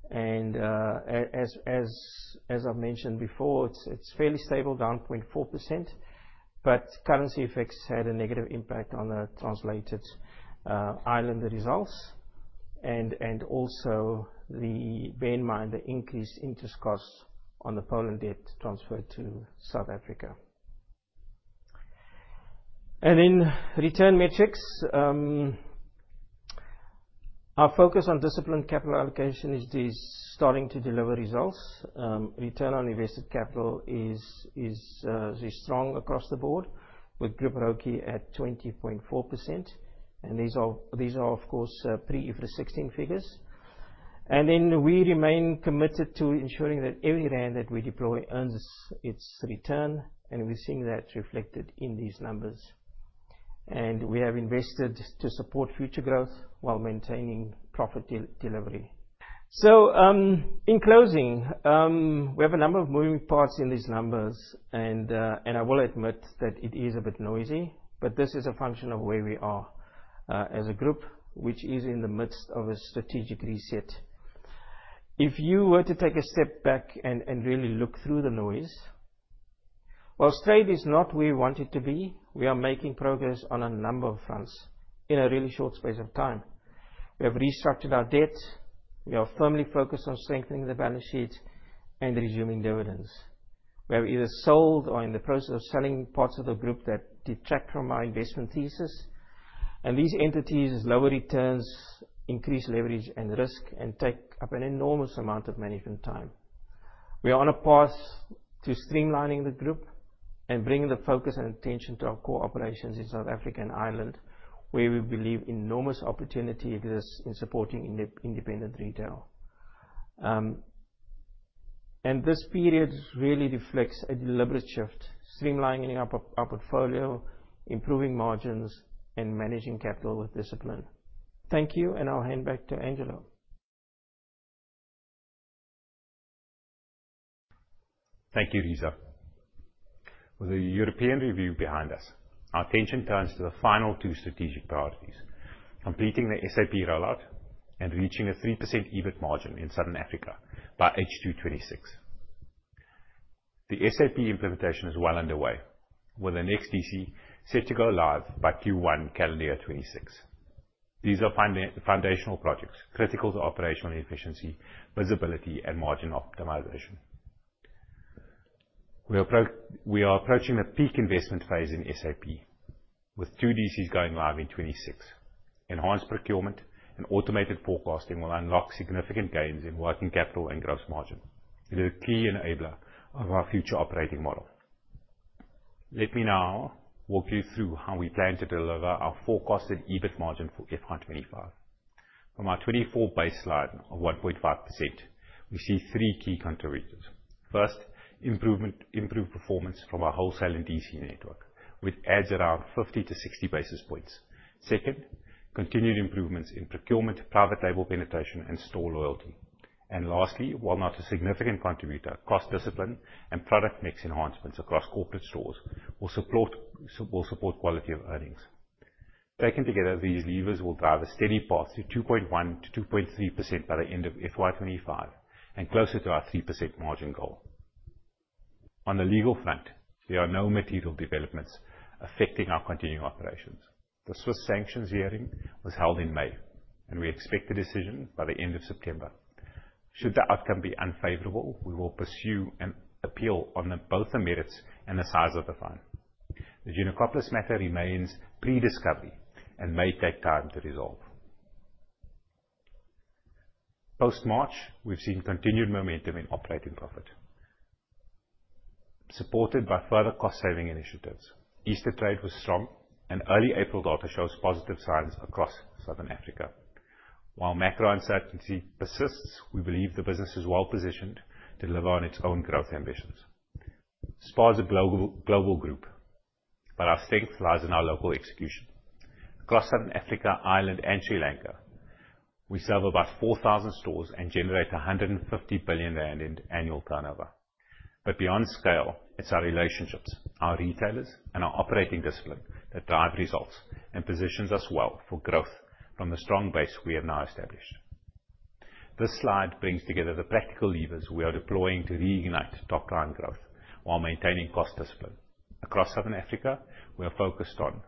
and as I've mentioned before, it's fairly stable, down 0.4%, but currency effects had a negative impact on the translated Ireland results and also bear in mind the increased interest costs on the Poland debt transferred to South Africa. And then return metrics. Our focus on disciplined capital allocation is starting to deliver results. Return on invested capital is strong across the board, with group ROIC at 20.4%. And these are, of course, pre-2016 figures. Then we remain committed to ensuring that every rand that we deploy earns its return, and we're seeing that reflected in these numbers. We have invested to support future growth while maintaining profit delivery. In closing, we have a number of moving parts in these numbers, and I will admit that it is a bit noisy, but this is a function of where we are as a group, which is in the midst of a strategic reset. If you were to take a step back and really look through the noise, while trade is not where we want it to be, we are making progress on a number of fronts in a really short space of time. We have restructured our debt. We are firmly focused on strengthening the balance sheet and resuming dividends. We have either sold or in the process of selling parts of the group that detract from our investment thesis. And these entities is lower returns, increase leverage, and risk, and take up an enormous amount of management time. We are on a path to streamlining the group and bringing the focus and attention to our core operations in South Africa and Ireland, where we believe enormous opportunity exists in supporting independent retail. And this period really reflects a deliberate shift, streamlining our portfolio, improving margins, and managing capital with discipline. Thank you, and I'll hand back to Angelo. Thank you, Reeza. With the European review behind us, our attention turns to the final two strategic priorities: completing the SAP rollout and reaching a 3% EBIT margin in Southern Africa by H2 26. The SAP implementation is well underway, with the next DC set to go live by Q1 calendar year 2026. These are foundational projects critical to operational efficiency, visibility, and margin optimization. We are approaching a peak investment phase in SAP, with two DCs going live in 2026. Enhanced procurement and automated forecasting will unlock significant gains in working capital and gross margin. It is a key enabler of our future operating model. Let me now walk you through how we plan to deliver our forecasted EBIT margin for FY 2025. From our 2024 base slide of 1.5%, we see three key contributors. First, improved performance from our wholesale and DC network, which adds around 50-60 basis points. Second, continued improvements in procurement, private label penetration, and store loyalty. And lastly, while not a significant contributor, cross-discipline and product mix enhancements across corporate stores will support quality of earnings. Taken together, these levers will drive a steady path to 2.1%-2.3% by the end of FY 2025 and closer to our 3% margin goal. On the legal front, there are no material developments affecting our continuing operations. The Swiss sanctions hearing was held in May, and we expect a decision by the end of September. Should the outcome be unfavorable, we will pursue an appeal on both the merits and the size of the fine. The Giannacopoulos matter remains pre-discovery and may take time to resolve. Post-March, we've seen continued momentum in operating profit, supported by further cost-saving initiatives. Easter trade was strong, and early April data shows positive signs across Southern Africa. While macro uncertainty persists, we believe the business is well positioned to deliver on its own growth ambitions. SPAR is a global group, but our strength lies in our local execution. Across Southern Africa, Ireland, and Sri Lanka, we serve about 4,000 stores and generate 150 billion rand in annual turnover. But beyond scale, it's our relationships, our retailers, and our operating discipline that drive results and positions us well for growth from the strong base we have now established. This slide brings together the practical levers we are deploying to reignite top-down growth while maintaining cost discipline. Across Southern Africa, we are focused on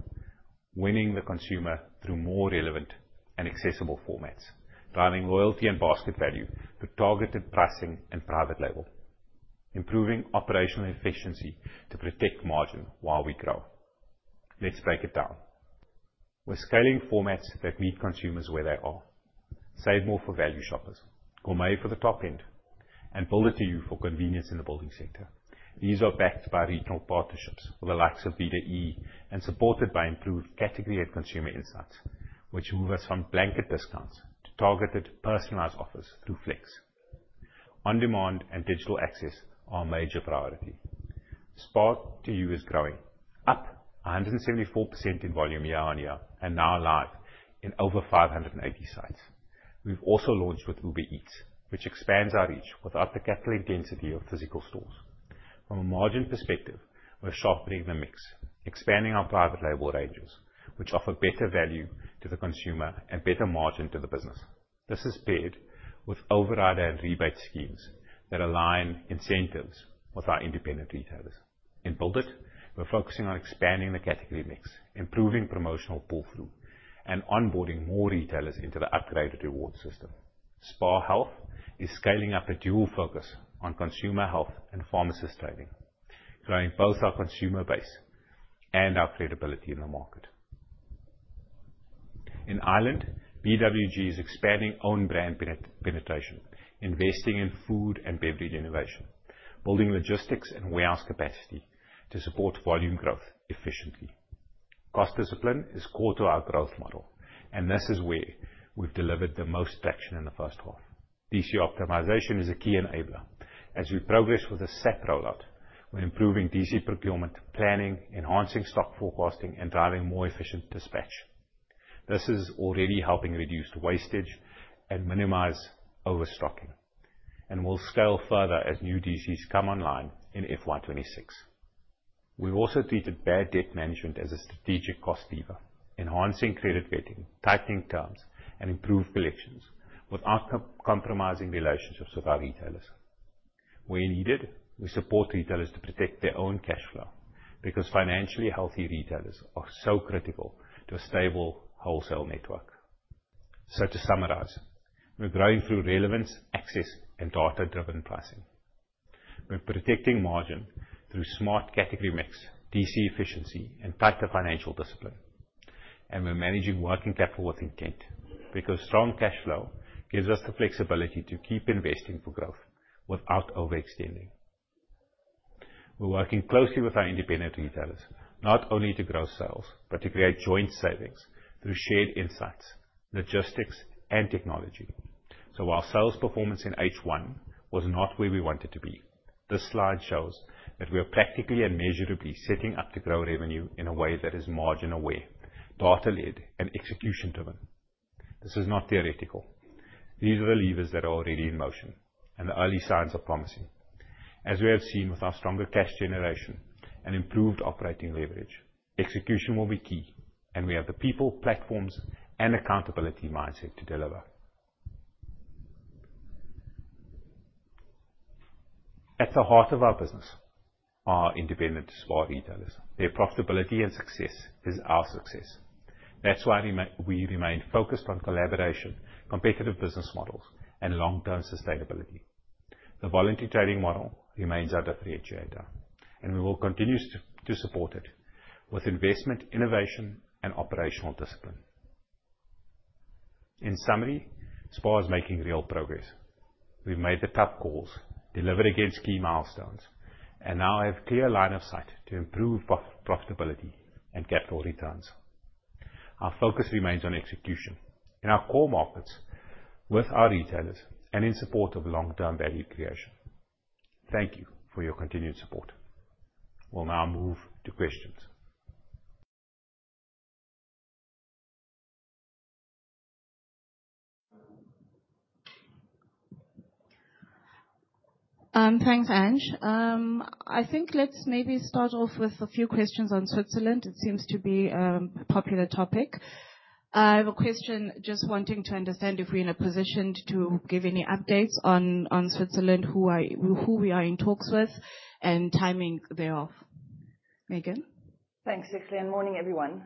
winning the consumer through more relevant and accessible formats, driving loyalty and basket value through targeted pricing and private label, improving operational efficiency to protect margin while we grow. Let's break it down. We're scaling formats that meet consumers where they are. SaveMor for value shoppers, Gourmet for the top end, and Build it, too, for convenience in the building sector. These are backed by regional partnerships with a mix of BEE and supported by improved category and consumer insights, which move us from blanket discounts to targeted personalized offers through Flex. On-demand and digital access are a major priority. SPAR2U is growing up 174% in volume year on year and now live in over 580 sites. We've also launched with Uber Eats, which expands our reach without the capital intensity of physical stores. From a margin perspective, we're sharpening the mix, expanding our private label ranges, which offer better value to the consumer and better margin to the business. This is paired with overrider and rebate schemes that align incentives with our independent retailers. In Build it, we're focusing on expanding the category mix, improving promotional pull-through, and onboarding more retailers into the upgraded reward system. SPAR Health is scaling up a dual focus on consumer health and pharmacist training, growing both our consumer base and our credibility in the market. In Ireland, BWG is expanding own brand penetration, investing in food and beverage innovation, building logistics and warehouse capacity to support volume growth efficiently. Cost discipline is core to our growth model, and this is where we've delivered the most traction in the first half. DC optimization is a key enabler as we progress with a SAP rollout. We're improving DC procurement planning, enhancing stock forecasting, and driving more efficient dispatch. This is already helping reduce wastage and minimize overstocking, and we'll scale further as new DCs come online in FY 2026. We've also treated bad debt management as a strategic cost lever, enhancing credit vetting, tightening terms, and improved collections without compromising relationships with our retailers. Where needed, we support retailers to protect their own cash flow because financially healthy retailers are so critical to a stable wholesale network. To summarize, we're growing through relevance, access, and data-driven pricing. We're protecting margin through smart category mix, DC efficiency, and tighter financial discipline. And we're managing working capital with intent because strong cash flow gives us the flexibility to keep investing for growth without overextending. We're working closely with our independent retailers, not only to grow sales, but to create joint savings through shared insights, logistics, and technology. While sales performance in H1 was not where we wanted to be, this slide shows that we are practically and measurably setting up to grow revenue in a way that is margin-aware, data-led, and execution-driven. This is not theoretical. These are the levers that are already in motion, and the early signs are promising. As we have seen with our stronger cash generation and improved operating leverage, execution will be key, and we have the people, platforms, and accountability mindset to deliver. At the heart of our business are independent SPAR retailers. Their profitability and success is our success. That's why we remain focused on collaboration, competitive business models, and long-term sustainability. The voluntary trading model remains our differentiator, and we will continue to support it with investment, innovation, and operational discipline. In summary, SPAR is making real progress. We've made the tough calls, delivered against key milestones, and now have a clear line of sight to improve profitability and capital returns. Our focus remains on execution in our core markets with our retailers and in support of long-term value creation. Thank you for your continued support. We'll now move to questions. Thanks, Angelo. I think let's maybe start off with a few questions on Switzerland. It seems to be a popular topic. I have a question, just wanting to understand if we're in a position to give any updates on Switzerland, who we are in talks with and timing thereof. Megan? Thanks, Zinzi. And morning, everyone.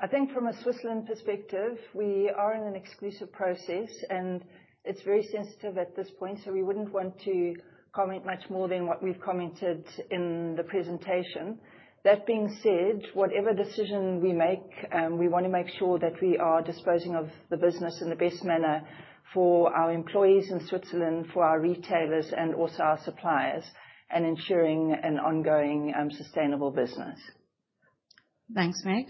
I think from a Switzerland perspective, we are in an exclusive process, and it's very sensitive at this point, we wouldn't want to comment much more than what we've commented in the presentation. That being said, whatever decision we make, we want to make sure that we are disposing of the business in the best manner for our employees in Switzerland, for our retailers, and also our suppliers, and ensuring an ongoing sustainable business. Thanks, Meg.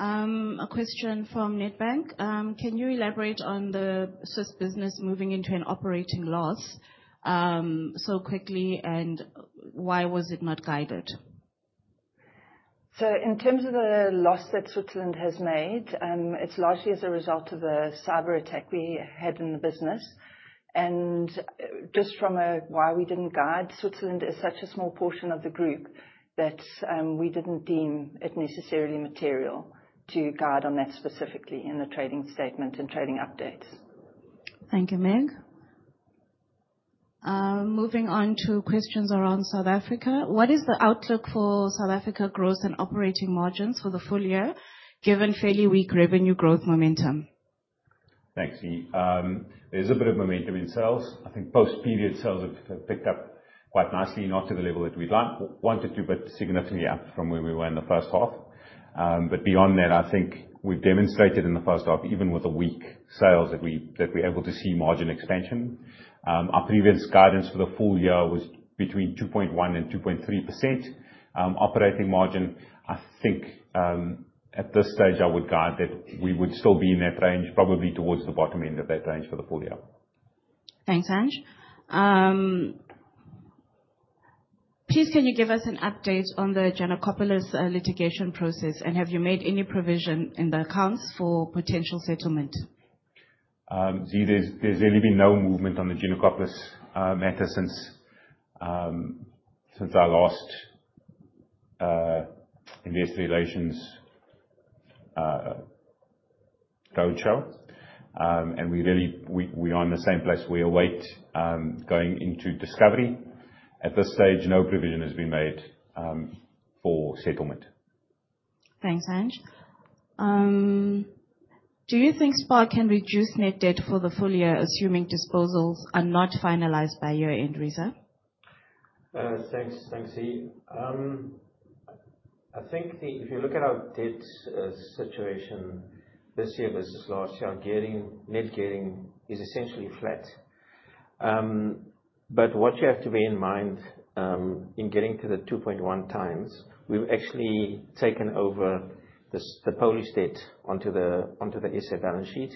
A question from Nedbank. Can you elaborate on the Swiss business moving into an operating loss so quickly, and why was it not guided? In terms of the loss that Switzerland has made, it's largely as a result of a cyber attack we had in the business. And just from a why we didn't guide, Switzerland is such a small portion of the group that we didn't deem it necessarily material to guide on that specifically in the trading statement and trading updates. Thank you, Meg. Moving on to questions around South Africa. What is the outlook for South Africa growth and operating margins for the full year given fairly weak revenue growth momentum? Thanks, Zin. There's a bit of momentum in sales. I think post-period sales have picked up quite nicely, not to the level that we'd wanted to, but significantly up from where we were in the first half. But beyond that, I think we've demonstrated in the first half, even with weak sales, that we're able to see margin expansion. Our previous guidance for the full year was between 2.1%-2.3% operating margin. I think at this stage, I would guide that we would still be in that range, probably towards the bottom end of that range for the full year. Thanks, Angelo. Please, can you give us an update on the Giannacopoulos litigation process, and have you made any provision in the accounts for potential settlement? There's really been no movement on the Giannacopoulos matter since our last investor relations roadshow, and we're in the same place. We're awaiting going into discovery. At this stage, no provision has been made for settlement. Thanks, Angelo. Do you think SPAR can reduce net debt for the full year, assuming disposals are not finalized by year-end Reeza? Thanks, Zin. I think if you look at our debt situation this year versus last year, net gearing is essentially flat. But what you have to bear in mind in getting to the 2.1 times, we've actually taken over the Polish debt onto the SA balance sheet.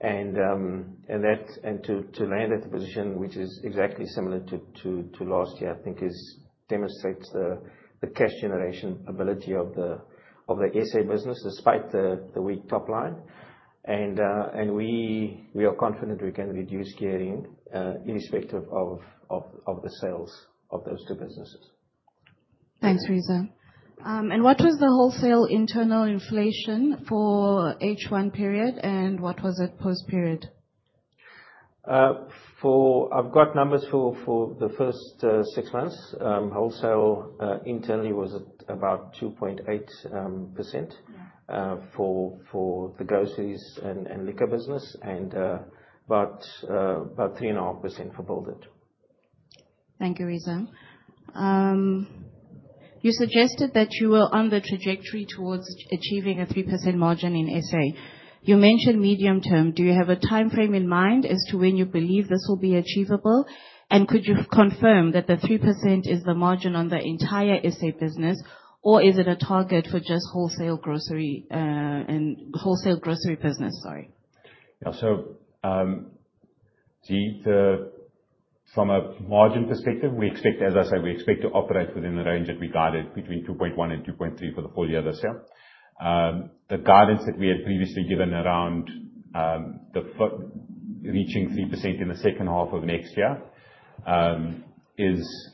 And to land at a position which is exactly similar to last year, I think demonstrates the cash generation ability of the SA business despite the weak top line. And we are confident we can reduce gearing irrespective of the sales of those two businesses. Thanks, Reeza. And what was the wholesale internal inflation for H1 period, and what was it post-period? I've got numbers for the first six months. Wholesale internally was about 2.8% for the groceries and liquor business, and about 3.5% for Build it. Thank you, Reeza. You suggested that you were on the trajectory towards achieving a 3% margin in SA. You mentioned medium term. Do you have a timeframe in mind as to when you believe this will be achievable? And could you confirm that the 3% is the margin on the entire SA business, or is it a target for just wholesale grocery business? Sorry. From a margin perspective, as I said, we expect to operate within the range that we guided between 2.1% and 2.3% for the full year this year. The guidance that we had previously given around reaching 3% in the second half of next year is,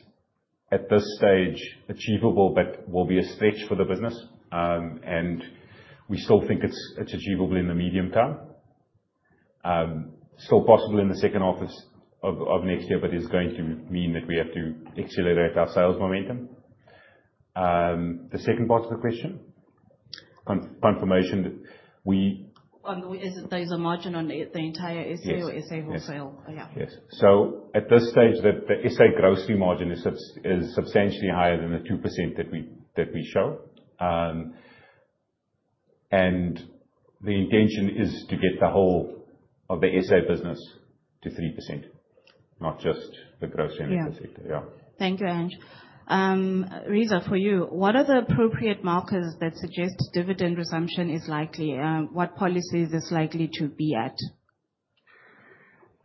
at this stage, achievable, but will be a stretch for the business. We still think it's achievable in the medium term. Still possible in the second half of next year, but it's going to mean that we have to accelerate our sales momentum. The second part of the question, confirmation that we... Is it those are margin on the entire SA or SA wholesale? Yes. At this stage, the SA grocery margin is substantially higher than the 2% that we show. And the intention is to get the whole of the SA business to 3%, not just the grocery and liquor sector. Yeah. Thank you, Angelo. Reeza, for you, what are the appropriate markers that suggest dividend resumption is likely? What policy is this likely to be at?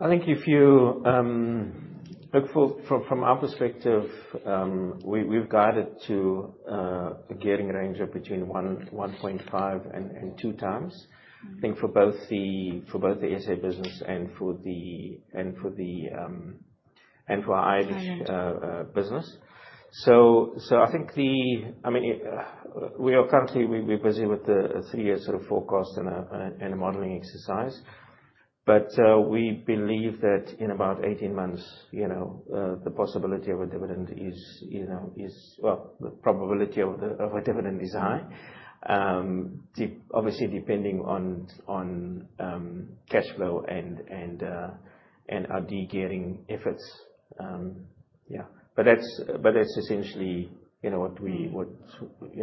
I think if you look from our perspective, we've guided to a gearing range of between 1.5 and 2 times. I think for both the SA business and for the Irish business. I think the... I mean, we are currently busy with the three-year sort of forecast and a modeling exercise. But we believe that in about 18 months, the possibility of a dividend is, well, the probability of a dividend is high, obviously depending on cash flow and our de-gearing efforts. Yeah. But that's essentially what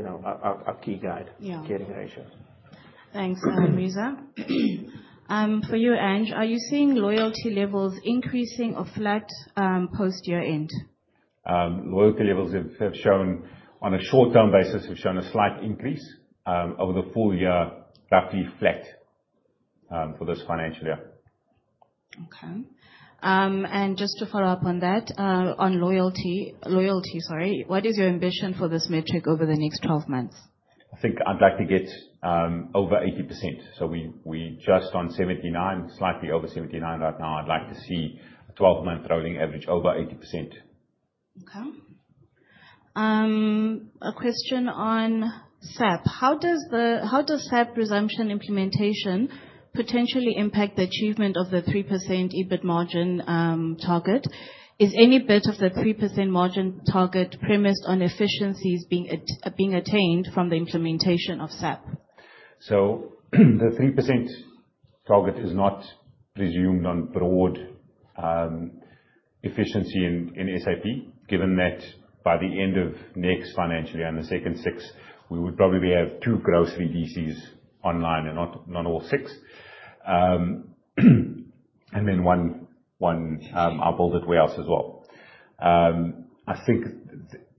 our key guide, gearing ratio. Thanks, Reeza. For you, Angelo, are you seeing loyalty levels increasing or flat post-year end? Loyalty levels have shown, on a short-term basis, a slight increase. Over the full year, roughly flat for this financial year. Okay. And just to follow up on that, on loyalty, sorry, what is your ambition for this metric over the next 12 months? I think I'd like to get over 80%. We're just on 79, slightly over 79 right now. I'd like to see a 12-month rolling average over 80%. Okay. A question on SAP. How does SAP resumption implementation potentially impact the achievement of the 3% EBIT margin target? Is any bit of the 3% margin target premised on efficiencies being attained from the implementation of SAP? The 3% target is not presumed on broad efficiency in SAP, given that by the end of next financial year and the second six, we would probably have two grocery DCs online and not all six. And then one, our Build it wholesale as well. I think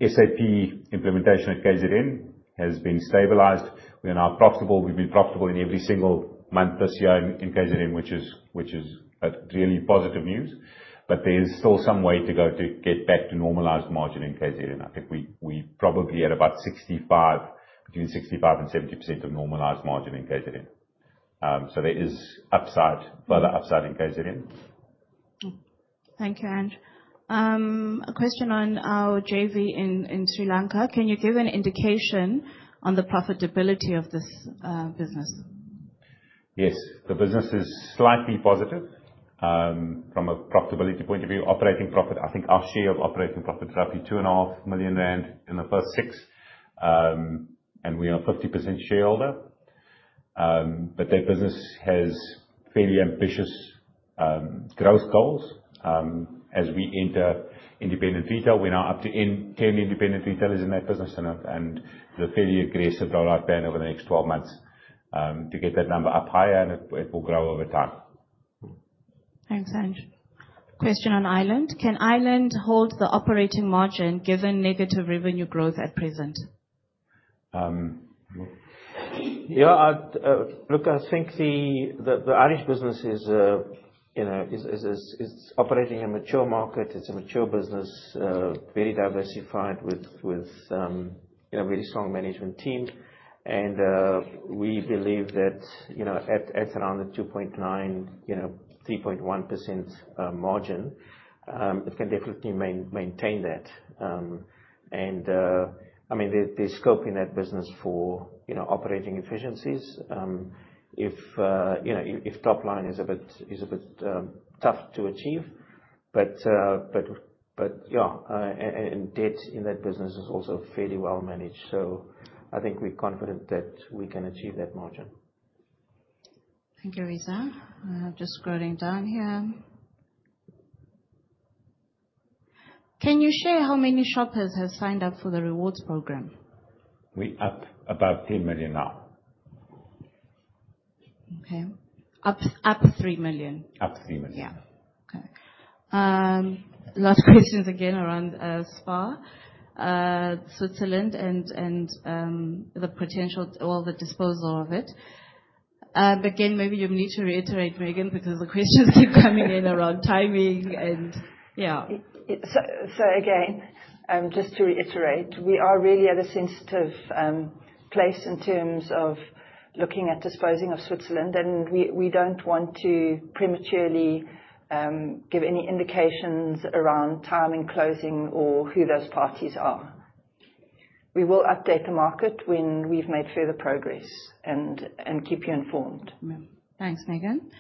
SAP implementation at KZN has been stabilized. We've been profitable in every single month this year in KZN, which is really positive news. But there's still some way to go to get back to normalized margin in KZN. I think we're probably at about 65%, between 65% and 70% of normalized margin in KZN. There is further upside in KZN. Thank you, Angelo. A question on our JV in Sri Lanka. Can you give an indication on the profitability of this business? Yes. The business is slightly positive from a profitability point of view. I think our share of operating profit is roughly 2.5 million rand in the first six, and we are a 50% shareholder. But that business has fairly ambitious growth goals. As we enter independent retail, we're now up to 10 independent retailers in that business, and there's a fairly aggressive rollout plan over the next 12 months to get that number up higher, and it will grow over time. Thanks, Angelo. Question on Ireland. Can Ireland hold the operating margin given negative revenue growth at present? Yeah. Look, I think the Irish business is operating in a mature market. It's a mature business, very diversified with a very strong management team. And we believe that at around the 2.9-3.1% margin, it can definitely maintain that. And I mean, there's scope in that business for operating efficiencies if top line is a bit tough to achieve. But yeah, and debt in that business is also fairly well managed. I think we're confident that we can achieve that margin. Thank you, Reeza. Just scrolling down here. Can you share how many shoppers have signed up for the rewards program? We're up about 10 million now. Okay. Up 3 million. Up 3 million. Yeah. Okay. A lot of questions again around SPAR Switzerland, and the potential or the disposal of it. But again, maybe you need to reiterate, Megan, because the questions keep coming in around timing and yeah. Again, just to reiterate, we are really at a sensitive place in terms of looking at disposing of Switzerland, and we don't want to prematurely give any indications around timing closing or who those parties are. We will update the market when we've made further progress and keep you informed. Thanks, Megan.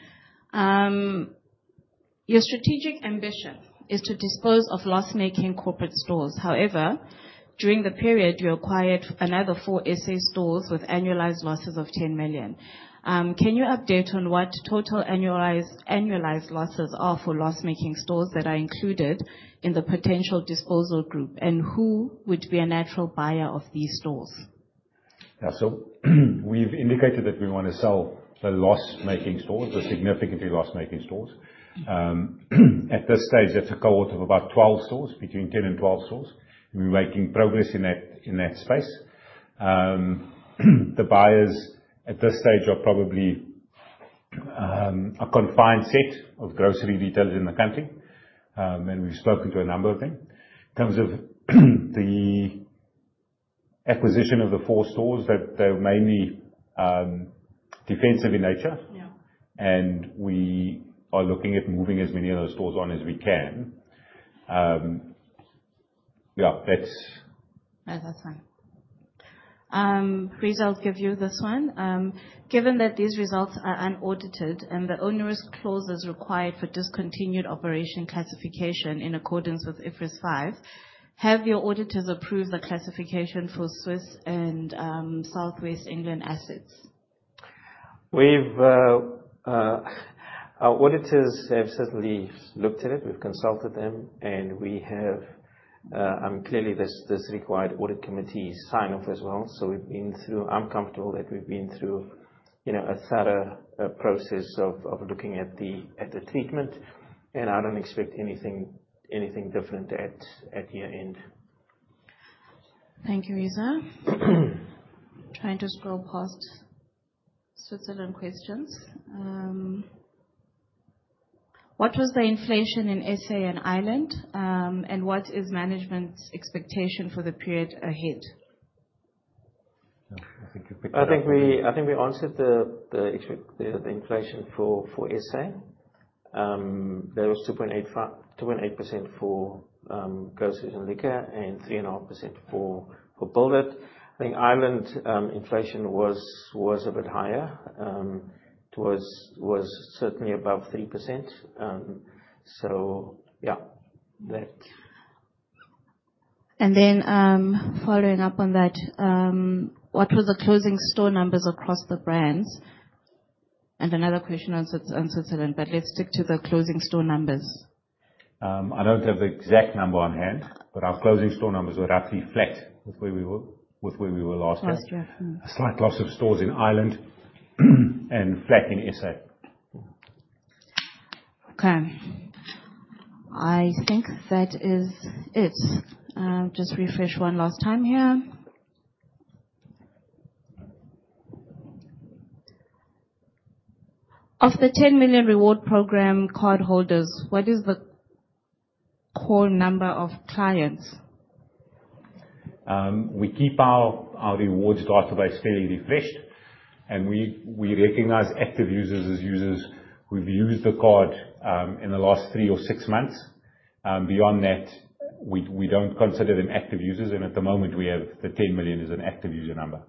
Your strategic ambition is to dispose of loss-making corporate stores. However, during the period, you acquired another four SA stores with annualized losses of 10 million. Can you update on what total annualized losses are for loss-making stores that are included in the potential disposal group, and who would be a natural buyer of these stores? We've indicated that we want to sell the loss-making stores, the significantly loss-making stores. At this stage, that's a cohort of about 12 stores, between 10 and 12 stores. We're making progress in that space. The buyers at this stage are probably a confined set of grocery retailers in the country, and we've spoken to a number of them. In terms of the acquisition of the four stores, they're mainly defensive in nature, and we are looking at moving as many of those stores on as we can. Yeah, that's... That's fine. Reeza, I'll give you this one. Given that these results are unaudited and the onerous clause is required for discontinued operation classification in accordance with IFRS 5, have your auditors approved the classification for Swiss and Southwest England assets? Our auditors have certainly looked at it. We've consulted them, and we have, clearly, this required audit committee sign-off as well. We've been through. I'm comfortable that we've been through a thorough process of looking at the treatment, and I don't expect anything different at year-end. Thank you, Reeza. Trying to scroll past Switzerland questions. What was the inflation in SA and Ireland, and what is management's expectation for the period ahead? I think we answered the inflation for SA. There was 2.8% for groceries and liquor and 3.5% for Build it. I think Ireland inflation was a bit higher. It was certainly above 3%. Yeah, that. And then following up on that, what were the closing store numbers across the brands? And another question on Switzerland, but let's stick to the closing store numbers. I don't have the exact number on hand, but our closing store numbers were roughly flat with where we were last year. A slight loss of stores in Ireland and flat in SA. Okay. I think that is it. Just refresh one last time here. Of the 10 million reward program cardholders, what is the core number of clients? We keep our rewards database fairly refreshed, and we recognize active users as users who've used the card in the last three or six months. Beyond that, we don't consider them active users, and at the moment, we have the 10 million as an active user number.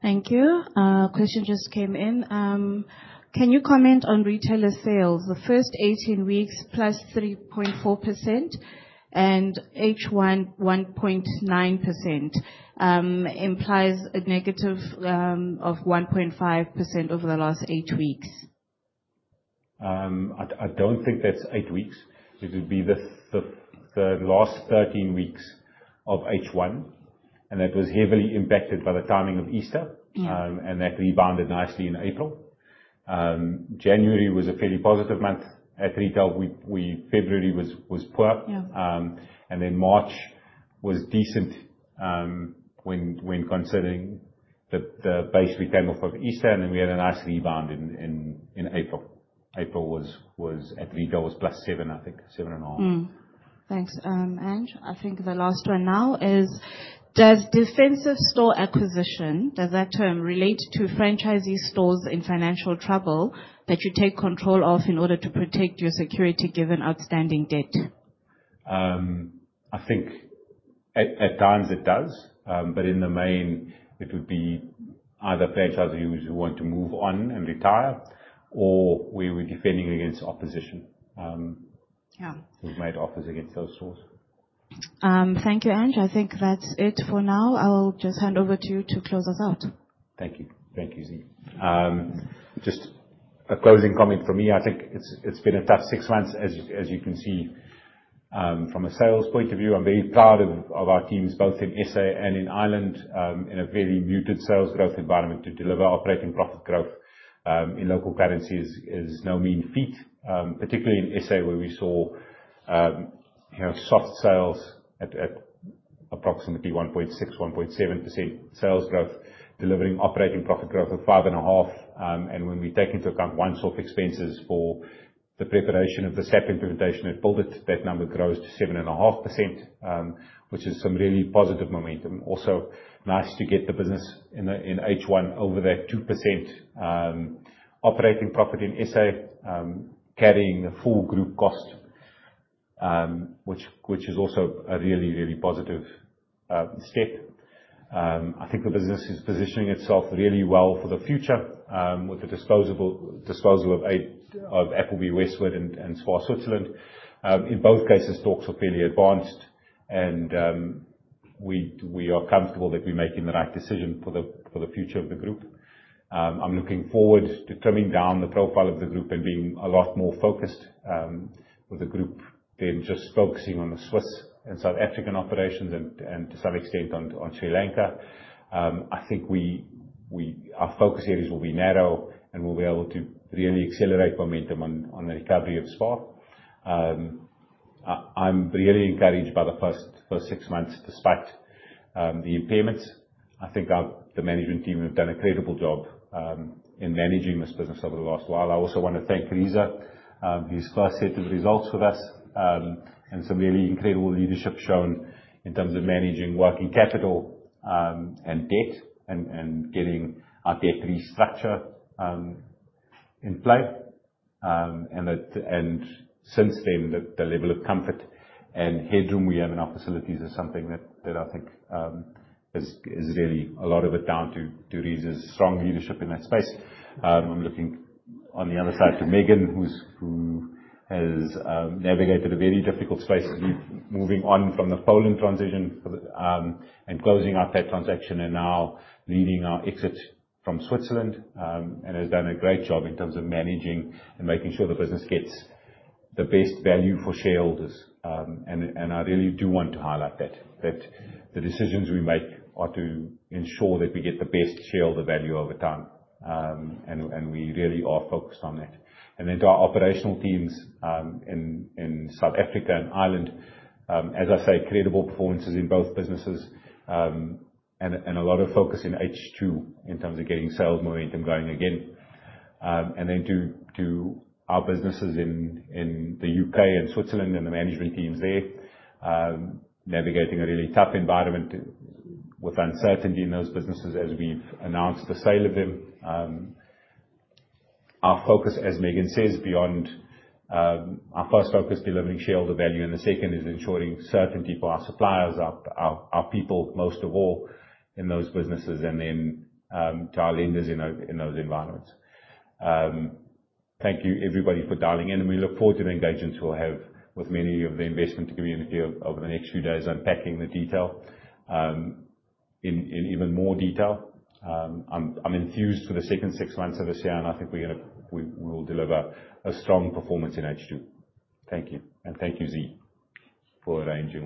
Thank you. A question just came in. Can you comment on retailer sales? The first 18 weeks, plus 3.4%, and H1, 1.9%, implies a negative of 1.5% over the last eight weeks. I don't think that's eight weeks. It would be the last 13 weeks of H1, and that was heavily impacted by the timing of Easter, and that rebounded nicely in April. January was a fairly positive month at retail. February was poor, and then March was decent when considering the base return off of Easter, and then we had a nice rebound in April. April was at retail was plus 7%, I think, 7.5%. Thanks. Angelo, I think the last one now is, does defensive store acquisition, does that term relate to franchisee stores in financial trouble that you take control of in order to protect your security given outstanding debt? I think at times it does, but in the main, it would be either franchisees who want to move on and retire, or we were defending against opposition who've made offers against those stores. Thank you, Angelo. I think that's it for now. I'll just hand over to you to close us out. Thank you. Thank you, Reeza. Just a closing comment from me. I think it's been a tough six months, as you can see from a sales point of view. I'm very proud of our teams, both in SA and in Ireland, in a very muted sales growth environment. To deliver operating profit growth in local currencies is no mean feat, particularly in SA, where we saw soft sales at approximately 1.6-1.7% sales growth, delivering operating profit growth of 5.5%. And when we take into account one-off expenses for the preparation of the SAP implementation at Build it, that number grows to 7.5%, which is some really positive momentum. Also, nice to get the business in H1 over that 2% operating profit in SA, carrying the full group cost, which is also a really, really positive step. I think the business is positioning itself really well for the future with the disposal of Appleby Westward and SPAR Switzerland. In both cases, talks are fairly advanced, and we are comfortable that we're making the right decision for the future of the group. I'm looking forward to trimming down the profile of the group and being a lot more focused with the group than just focusing on the Swiss and South African operations and to some extent on Sri Lanka. I think our focus areas will be narrow, and we'll be able to really accelerate momentum on the recovery of SPAR. I'm really encouraged by the first six months despite the impairments. I think the management team have done a credible job in managing this business over the last while. I also want to thank Reeza. This is his first set of results with us and some really incredible leadership shown in terms of managing working capital and debt and getting our debt restructure in play. And since then, the level of comfort and headroom we have in our facilities is something that I think is really a lot of it down to Reeza's strong leadership in that space. I'm looking on the other side to Megan, who has navigated a very difficult space moving on from the Poland transition and closing out that transaction and now leading our exit from Switzerland and has done a great job in terms of managing and making sure the business gets the best value for shareholders. And I really do want to highlight that the decisions we make are to ensure that we get the best shareholder value over time, and we really are focused on that. And then to our operational teams in South Africa and Ireland, as I say, credible performances in both businesses and a lot of focus in H2 in terms of getting sales momentum going again. And then to our businesses in the U.K. and Switzerland and the management teams there, navigating a really tough environment with uncertainty in those businesses as we've announced the sale of them. Our focus, as Megan says, beyond our first focus, delivering shareholder value, and the second is ensuring certainty for our suppliers, our people, most of all, in those businesses, and then to our lenders in those environments. Thank you, everybody, for dialing in, and we look forward to the engagements we'll have with many of the investment community over the next few days unpacking the detail in even more detail. I'm enthused for the second six months of this year, and I think we will deliver a strong performance in H2. Thank you, and thank you, Zinzi, for arranging.